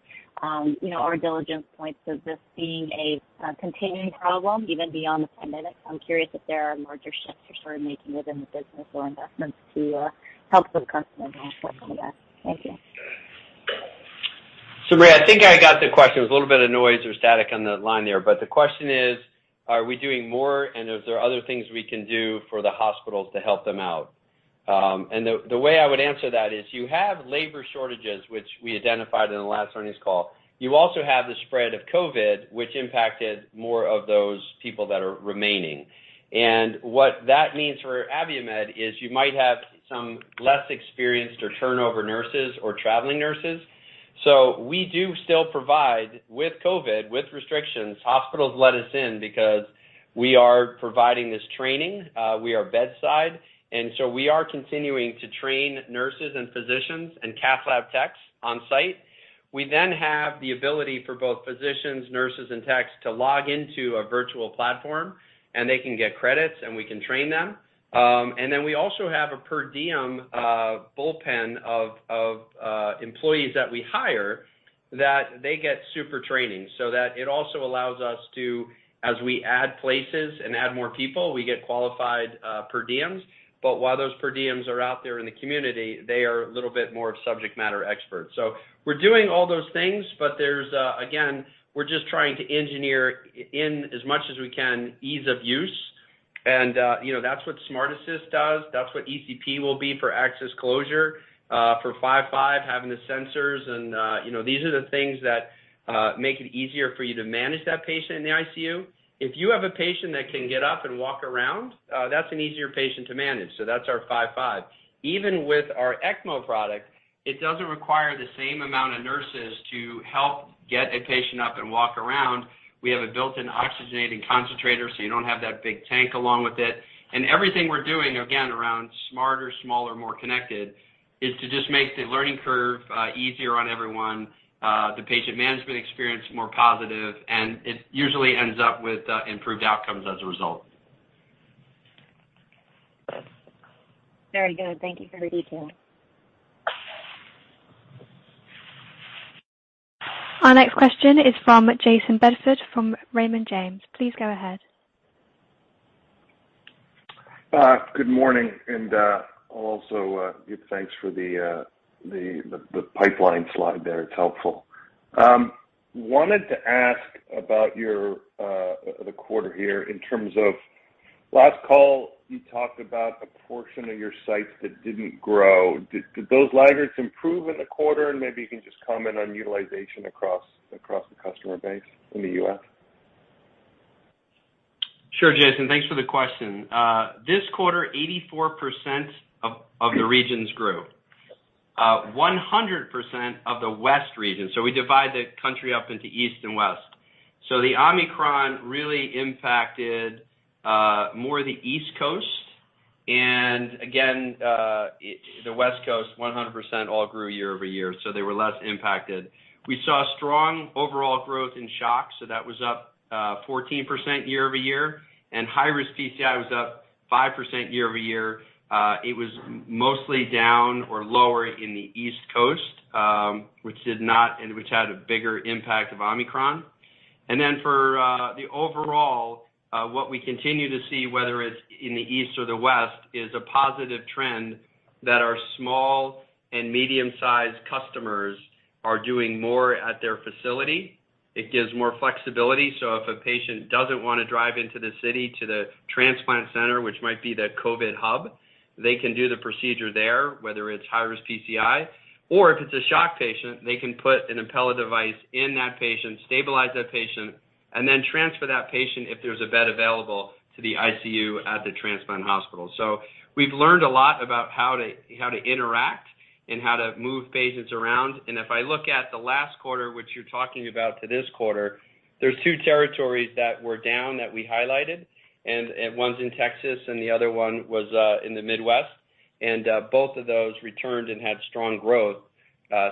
You know, our diligence points to this being a continuing problem, even beyond the pandemic. I'm curious if there are larger shifts you're sort of making within the business or investments to help those customers out from that. Thank you. Marie, I think I got the question. There was a little bit of noise or static on the line there. The question is, are we doing more and is there other things we can do for the hospitals to help them out? The way I would answer that is you have labor shortages, which we identified in the last earnings call. You also have the spread of COVID, which impacted more of those people that are remaining. What that means for Abiomed is you might have some less experienced or turnover nurses or traveling nurses. We do still provide with COVID, with restrictions, hospitals let us in because we are providing this training, we are bedside, and we are continuing to train nurses and physicians and cath lab techs on-site. We have the ability for both physicians, nurses and techs to log into a virtual platform, and they can get credits and we can train them. We also have a per diem bullpen of employees that we hire that they get super training so that it also allows us to, as we add places and add more people, we get qualified per diems. While those per diems are out there in the community, they are a little bit more of subject matter experts. We're doing all those things, but there's again, we're just trying to engineer in as much as we can ease of use. You know, that's what SmartAssist does. That's what ECP will be for access closure, for 5.5, having the sensors and, you know, these are the things that make it easier for you to manage that patient in the ICU. If you have a patient that can get up and walk around, that's an easier patient to manage. That's our 5.5. Even with our ECMO product, it doesn't require the same amount of nurses to help get a patient up and walk around. We have a built-in oxygen concentrator, so you don't have that big tank along with it. Everything we're doing, again, around smarter, smaller, more connected, is to just make the learning curve easier on everyone, the patient management experience more positive, and it usually ends up with improved outcomes as a result. Very good. Thank you for the detail. Our next question is from Jason Bednar from Piper Sandler. Please go ahead. Good morning. Also, thanks for the pipeline slide there. It's helpful. Wanted to ask about the quarter here in terms of last call, you talked about a portion of your sites that didn't grow. Did those laggards improve in the quarter? Maybe you can just comment on utilization across the customer base in the U.S. Sure, Jason. Thanks for the question. This quarter, 84% of the regions grew. 100% of the West region. We divide the country up into East and West. The Omicron really impacted more the East Coast. Again, it, the West Coast, 100% all grew year-over-year, they were less impacted. We saw strong overall growth in shock, that was up 14% year-over-year, and high-risk PCI was up 5% year-over-year. It was mostly down or lower in the East Coast, which did not and which had a bigger impact of Omicron. For the overall what we continue to see, whether it's in the East or the West, is a positive trend that our small and medium-sized customers are doing more at their facility. It gives more flexibility. If a patient doesn't wanna drive into the city to the transplant center, which might be the COVID hub, they can do the procedure there, whether it's high-risk PCI, or if it's a shock patient, they can put an Impella device in that patient, stabilize that patient, and then transfer that patient if there's a bed available to the ICU at the transplant hospital. We've learned a lot about how to interact and how to move patients around. If I look at the last quarter, which you're talking about to this quarter, there's two territories that were down that we highlighted, and one's in Texas, and the other one was in the Midwest, and both of those returned and had strong growth.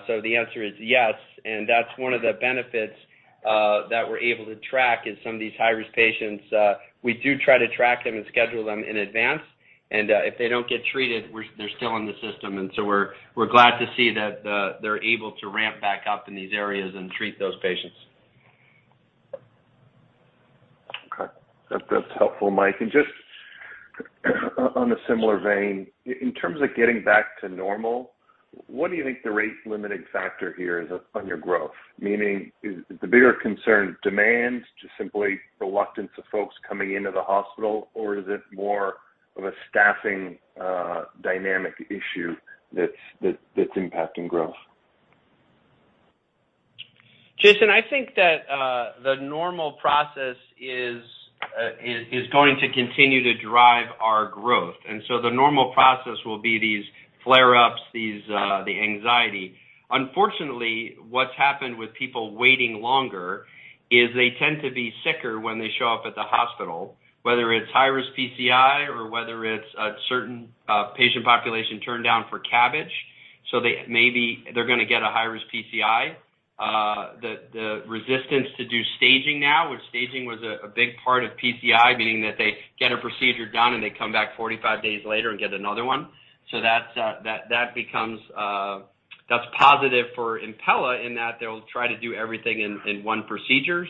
So the answer is yes, and that's one of the benefits that we're able to track is some of these high-risk patients, we do try to track them and schedule them in advance. If they don't get treated, they're still in the system. We're glad to see that they're able to ramp back up in these areas and treat those patients. Okay. That's helpful, Mike. Just on a similar vein, in terms of getting back to normal, what do you think the rate limiting factor here is on your growth? Meaning is the bigger concern demand, just simply reluctance of folks coming into the hospital, or is it more of a staffing dynamic issue that's impacting growth? Jason, I think that the normal process is going to continue to drive our growth. The normal process will be these flare-ups, the anxiety. Unfortunately, what's happened with people waiting longer is they tend to be sicker when they show up at the hospital, whether it's high-risk PCI or whether it's a certain patient population turned down for CABG. They maybe they're gonna get a high-risk PCI. The resistance to do staging now, which staging was a big part of PCI, meaning that they get a procedure done, and they come back 45 days later and get another one. That's positive for Impella in that they'll try to do everything in one procedure.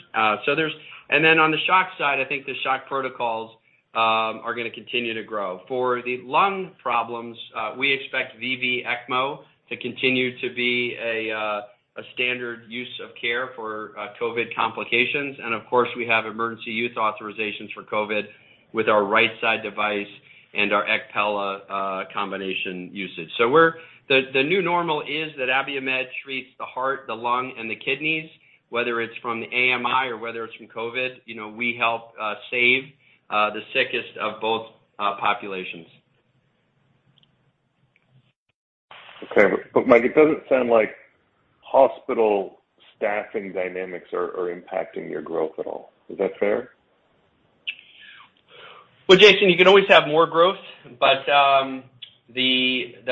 There's... Then on the shock side, I think the shock protocols are gonna continue to grow. For the lung problems, we expect VV ECMO to continue to be a standard of care for COVID complications. Of course, we have emergency use authorizations for COVID with our right side device and our ECPella combination usage. The new normal is that Abiomed treats the heart, the lung, and the kidneys, whether it's from the AMI or whether it's from COVID. You know, we help save the sickest of both populations. Okay. Mike, it doesn't sound like hospital staffing dynamics are impacting your growth at all. Is that fair? Well, Jason, you can always have more growth, but the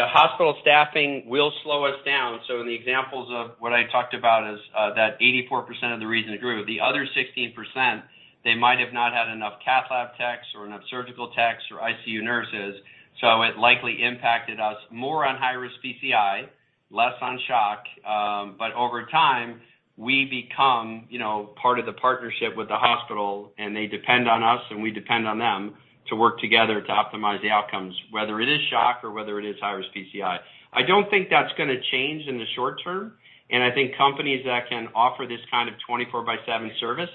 hospital staffing will slow us down. In the examples of what I talked about as that 84% of the reason it grew, the other 16%, they might have not had enough cath lab techs or enough surgical techs or ICU nurses, so it likely impacted us more on high-risk PCI, less on shock. Over time, we become, you know, part of the partnership with the hospital, and they depend on us, and we depend on them to work together to optimize the outcomes, whether it is shock or whether it is high-risk PCI. I don't think that's gonna change in the short term, and I think companies that can offer this kind of 24/7 service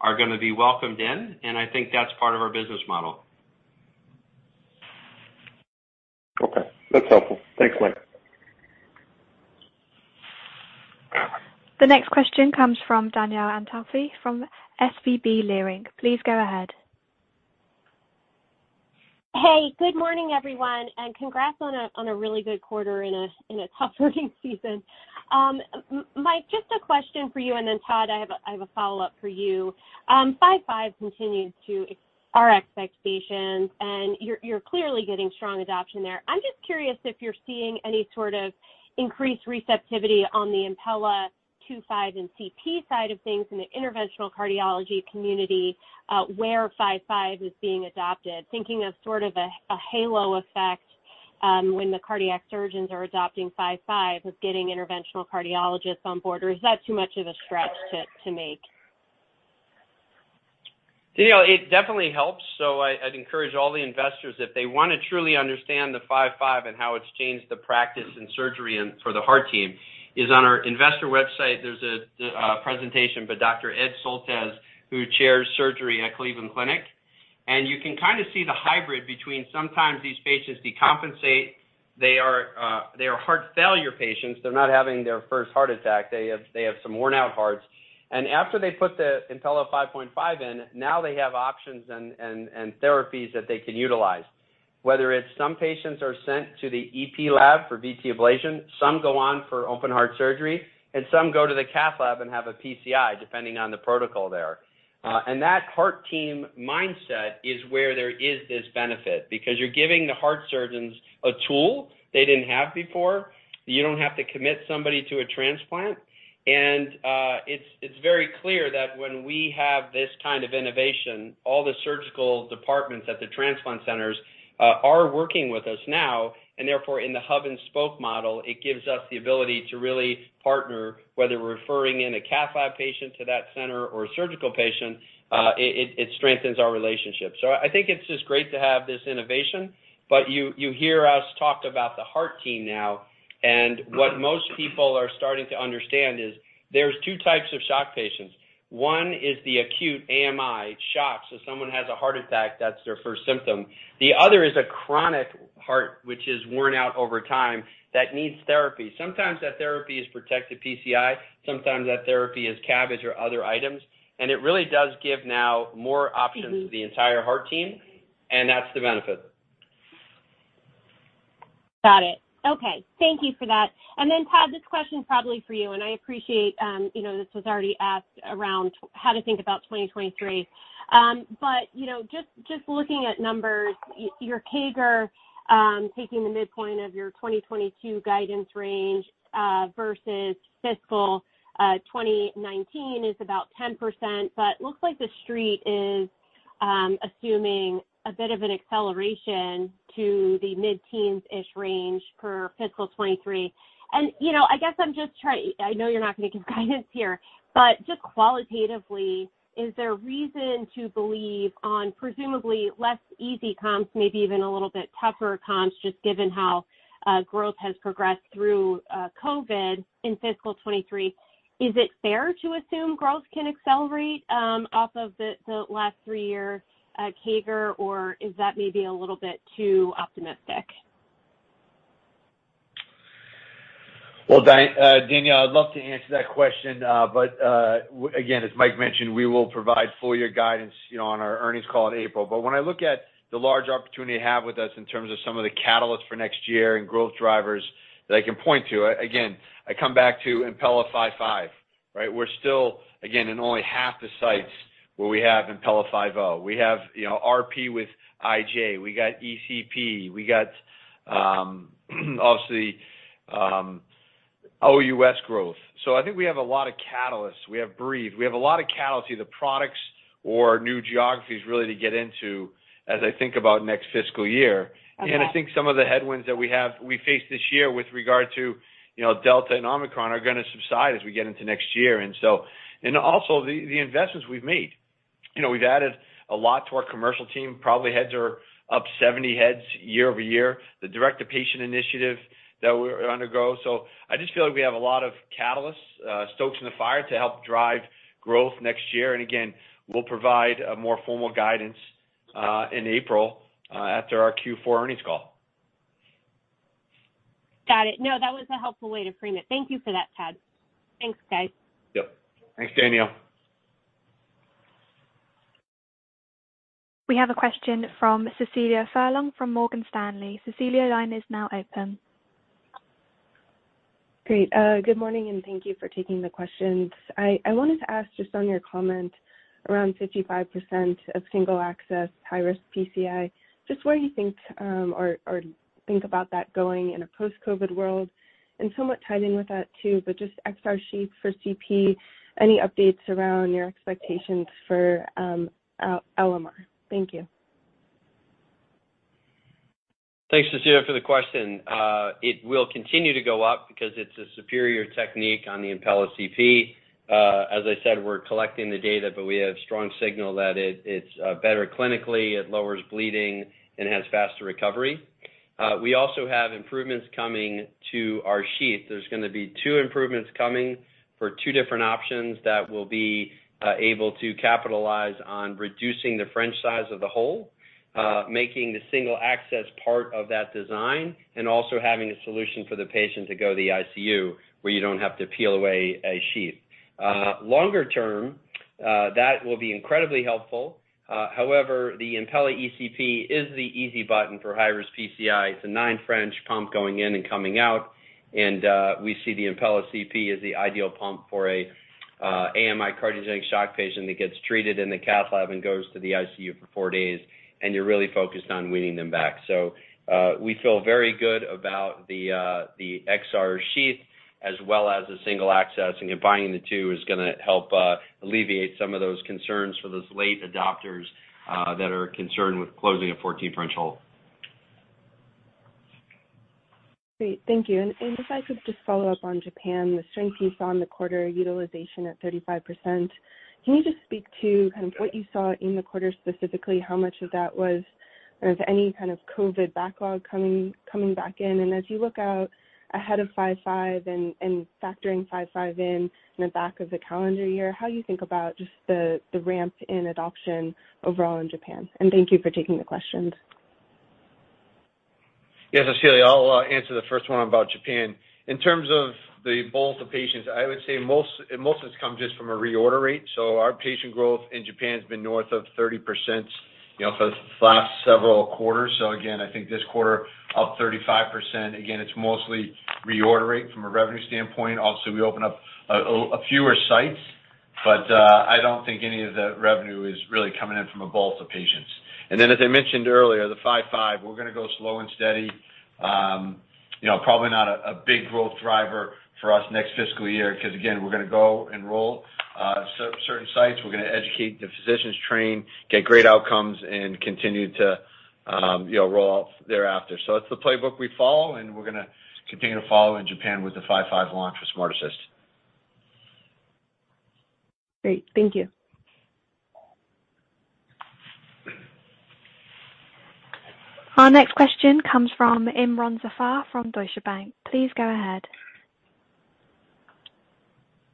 are gonna be welcomed in, and I think that's part of our business model. Okay, that's helpful. Thanks, Mike. The next question comes from Danielle Antalffy from SVB Leerink. Please go ahead. Hey, good morning, everyone, and congrats on a really good quarter in a tough working season. Mike, just a question for you, and then Todd, I have a follow-up for you. Impella 5.5 continues to exceed our expectations, and you're clearly getting strong adoption there. I'm just curious if you're seeing any sort of increased receptivity on the Impella 2.5 and CP side of things in the interventional cardiology community, where 5.5 is being adopted, thinking of sort of a halo effect, when the cardiac surgeons are adopting 5.5 or getting interventional cardiologists on board, or is that too much of a stretch to make? Danielle, it definitely helps. I'd encourage all the investors, if they wanna truly understand the 5.5 and how it's changed the practice in surgery and for the heart team, is on our investor website, there's a presentation by Dr. Edward Soltesz, who chairs surgery at Cleveland Clinic. You can kind of see the hybrid between sometimes these patients decompensate. They are heart failure patients. They're not having their first heart attack. They have some worn-out hearts. After they put the Impella 5.5 in, now they have options and therapies that they can utilize. Whether it's some patients are sent to the EP lab for VT ablation, some go on for open heart surgery, and some go to the cath lab and have a PCI, depending on the protocol there. That heart team mindset is where there is this benefit because you're giving the heart surgeons a tool they didn't have before. You don't have to commit somebody to a transplant. It's very clear that when we have this kind of innovation, all the surgical departments at the transplant centers are working with us now. Therefore, in the hub and spoke model, it gives us the ability to really partner, whether we're referring in a cath lab patient to that center or a surgical patient, it strengthens our relationship. I think it's just great to have this innovation. You hear us talk about the heart team now, and what most people are starting to understand is there's two types of shock patients. One is the acute AMI shock. Someone has a heart attack, that's their first symptom. The other is a chronic heart, which is worn out over time, that needs therapy. Sometimes that therapy is protected PCI, sometimes that therapy is CABG or other items. It really does give now more options to the entire heart team. That's the benefit. Got it. Okay. Thank you for that. Todd, this question is probably for you, and I appreciate, you know, this was already asked around how to think about 2023. You know, just looking at numbers, your CAGR, taking the midpoint of your 2022 guidance range, versus fiscal 2019 is about 10%, but looks like the street is assuming a bit of an acceleration to the mid-teens-ish range for fiscal 2023. You know, I guess I'm just, I know you're not going to give guidance here, but just qualitatively, is there a reason to believe on presumably less easy comps, maybe even a little bit tougher comps, just given how growth has progressed through COVID in fiscal 2023? Is it fair to assume growth can accelerate off of the last three-year CAGR, or is that maybe a little bit too optimistic? Well, Danielle, I'd love to answer that question. Again, as Mike mentioned, we will provide full year guidance, you know, on our earnings call in April. When I look at the large opportunity you have with us in terms of some of the catalysts for next year and growth drivers that I can point to, again, I come back to Impella 5.5, right? We're still, again, in only half the sites where we have Impella 5.0. We have, you know, Impella RP Flex. We got ECP, we got, obviously, OUS growth. I think we have a lot of catalysts. We have Breethe. We have a lot of catalysts, either products or new geographies really to get into as I think about next fiscal year. Okay. I think some of the headwinds that we faced this year with regard to, you know, Delta and Omicron are gonna subside as we get into next year. Also, the investments we've made. You know, we've added a lot to our commercial team, probably heads are up 70 heads year-over-year. The direct-to-patient initiative that we're undergoing. I just feel like we have a lot of catalysts, irons in the fire to help drive growth next year. We'll provide a more formal guidance in April after our Q4 earnings call. Got it. No, that was a helpful way to frame it. Thank you for that, Todd. Thanks, guys. Yep. Thanks, Danielle. We have a question from Cecilia Furlong from Morgan Stanley. Cecilia, line is now open. Great. Good morning, and thank you for taking the questions. I wanted to ask just on your comment around 55% of single access high-risk PCI, just where you think or think about that going in a post-COVID world. Somewhat tied in with that too, but just XR Sheath for CP, any updates around your expectations for LMR? Thank you. Thanks, Cecilia, for the question. It will continue to go up because it's a superior technique on the Impella CP. As I said, we're collecting the data, but we have strong signal that it's better clinically, it lowers bleeding and has faster recovery. We also have improvements coming to our sheath. There's gonna be two improvements coming for two different options that will be able to capitalize on reducing the French size of the hole, making the single access part of that design, and also having a solution for the patient to go to the ICU, where you don't have to peel away a sheath. Longer term, that will be incredibly helpful. However, the Impella ECP is the easy button for high-risk PCI. It's a nine French pump going in and coming out. We see the Impella CP as the ideal pump for a AMI cardiogenic shock patient that gets treated in the cath lab and goes to the ICU for four days, and you're really focused on weaning them back. We feel very good about the XR sheath as well as the single access. Combining the two is gonna help alleviate some of those concerns for those late adopters that are concerned with closing a 14 French hole. Great. Thank you. If I could just follow up on Japan, the strength you saw in the quarter, utilization at 35%. Can you just speak to kind of what you saw in the quarter, specifically, how much of that was, or if any kind of COVID backlog coming back in? As you look out ahead of 5.5 and factoring 5.5 in the back half of the calendar year, how do you think about just the ramp in adoption overall in Japan? Thank you for taking the questions. Yes, Cecilia. I'll answer the first one about Japan. In terms of the bulk of patients, I would say it mostly has come just from a reorder rate. Our patient growth in Japan has been north of 30%, you know, for the last several quarters. Again, I think this quarter up 35%. Again, it's mostly reorder rate from a revenue standpoint. Also, we opened up a few more sites, but I don't think any of the revenue is really coming in from a bulk of patients. As I mentioned earlier, the 5.5, we're gonna go slow and steady. You know, probably not a big growth driver for us next fiscal year because again, we're gonna go enroll certain sites. We're gonna educate the physicians, train, get great outcomes and continue to, you know, roll out thereafter. It's the playbook we follow, and we're gonna continue to follow in Japan with the 5/5 launch for SmartAssist. Great. Thank you. Our next question comes from Imron Zafar from Deutsche Bank. Please go ahead.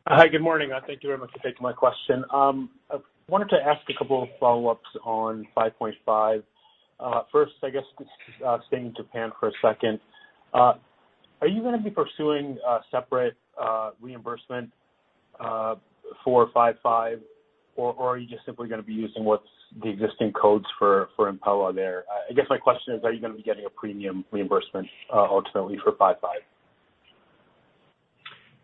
Hi, good morning. Thank you very much for taking my question. I wanted to ask a couple of follow-ups on 5.5. First, I guess, staying in Japan for a second. Are you gonna be pursuing a separate reimbursement for 5.5 or are you just simply gonna be using what's the existing codes for Impella there? I guess my question is, are you gonna be getting a premium reimbursement ultimately for 5.5?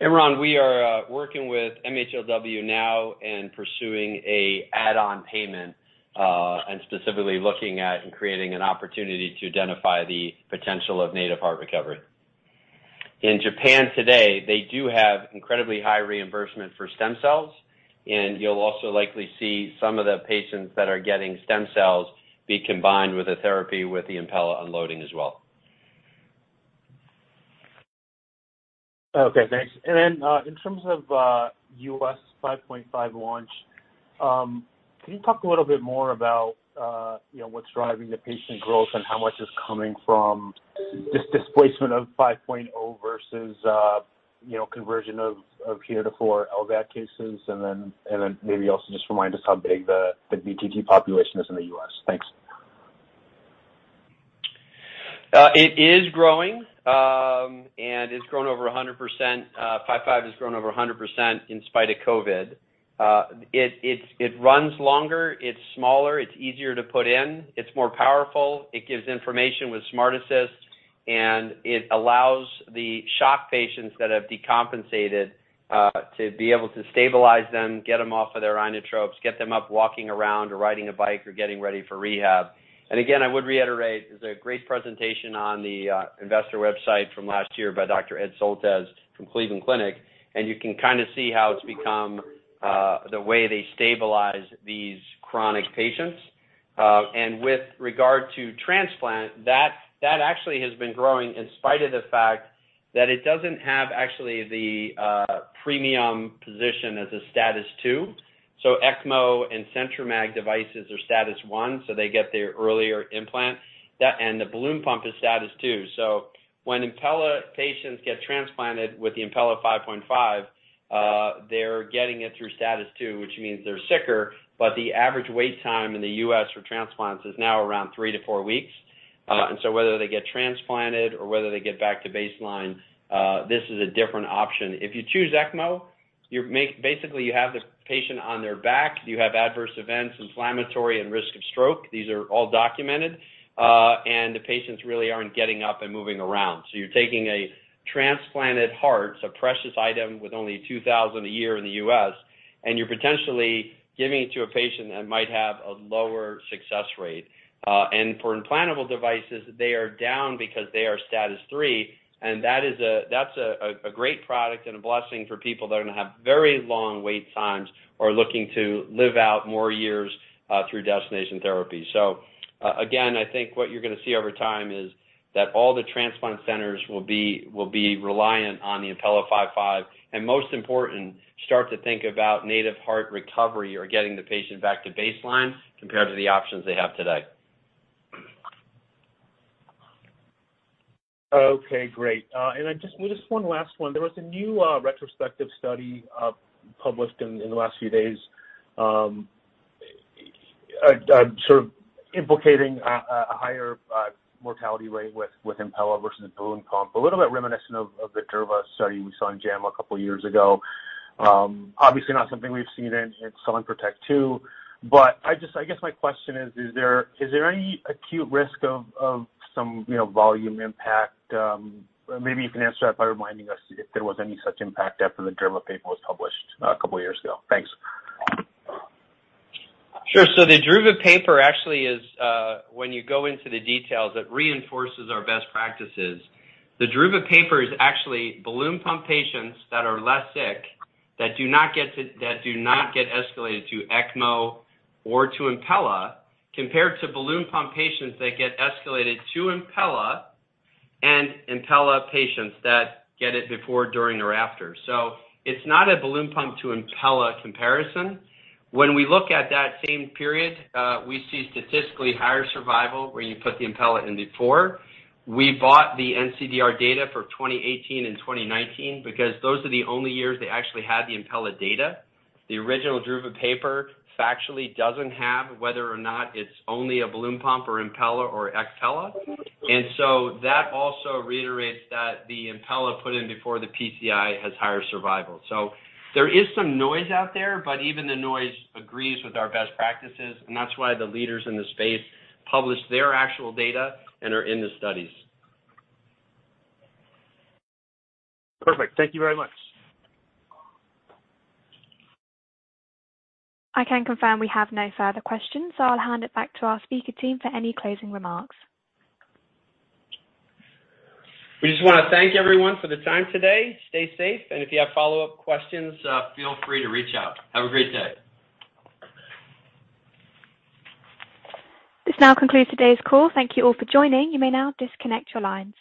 Imron, we are working with MHLW now and pursuing an add-on payment, and specifically looking at and creating an opportunity to identify the potential of native heart recovery. In Japan today, they do have incredibly high reimbursement for stem cells, and you'll also likely see some of the patients that are getting stem cells be combined with a therapy with the Impella unloading as well. Okay, thanks. In terms of U.S. 5.5 launch, can you talk a little bit more about you know, what's driving the patient growth and how much is coming from this displacement of 5.0 versus you know, conversion of heretofore LVAD cases? Maybe also just remind us how big the BTT population is in the U.S. Thanks. It is growing, and it's grown over 100%. 5.5 has grown over 100% in spite of COVID. It runs longer, it's smaller, it's easier to put in, it's more powerful, it gives information with SmartAssist, and it allows the shock patients that have decompensated to be able to stabilize them, get them off of their inotropes, get them up walking around or riding a bike or getting ready for rehab. Again, I would reiterate, there's a great presentation on the investor website from last year by Dr. Edward Soltesz from Cleveland Clinic, and you can kind of see how it's become the way they stabilize these chronic patients. With regard to transplant, that actually has been growing in spite of the fact that it doesn't have actually the premium position as a status two. ECMO and CentriMag devices are status one, so they get their earlier implant. That and the balloon pump is status two. So when Impella patients get transplanted with the Impella 5.5, they're getting it through status two, which means they're sicker, but the average wait time in the U.S. for transplants is now around three-four weeks. Whether they get transplanted or whether they get back to baseline, this is a different option. If you choose ECMO, basically, you have the patient on their back, you have adverse events, inflammatory and risk of stroke. These are all documented, and the patients really aren't getting up and moving around. You're taking a transplanted heart, it's a precious item with only 2,000 a year in the U.S., and you're potentially giving it to a patient that might have a lower success rate. For implantable devices, they are down because they are status three, and that is a great product and a blessing for people that are going to have very long wait times or are looking to live out more years through destination therapy. I think what you're gonna see over time is that all the transplant centers will be reliant on the Impella 5.5, and most important, start to think about native heart recovery or getting the patient back to baseline compared to the options they have today. Okay, great. Just one last one. There was a new retrospective study published in the last few days, sort of implicating a higher mortality rate with Impella versus balloon pump. A little bit reminiscent of the Dhruva study we saw in JAMA a couple years ago. Obviously not something we've seen in our PROTECT II. I just guess my question is there any acute risk of some, you know, volume impact? Maybe you can answer that by reminding us if there was any such impact after the Dhruva paper was published a couple of years ago. Thanks. Sure. The Dhruva paper actually is, when you go into the details, it reinforces our best practices. The Dhruva paper is actually balloon pump patients that are less sick, that do not get escalated to ECMO or to Impella, compared to balloon pump patients that get escalated to Impella and Impella patients that get it before, during or after. It's not a balloon pump to Impella comparison. When we look at that same period, we see statistically higher survival where you put the Impella in before. We bought the NCDR data for 2018 and 2019 because those are the only years they actually had the Impella data. The original Dhruva paper factually doesn't have whether or not it's only a balloon pump or Impella or Impella. That also reiterates that the Impella put in before the PCI has higher survival. There is some noise out there, but even the noise agrees with our best practices, and that's why the leaders in the space publish their actual data and are in the studies. Perfect. Thank you very much. I can confirm we have no further questions, so I'll hand it back to our speaker team for any closing remarks. We just want to thank everyone for the time today. Stay safe, and if you have follow-up questions, feel free to reach out. Have a great day. This now concludes today's call. Thank you all for joining. You may now disconnect your lines.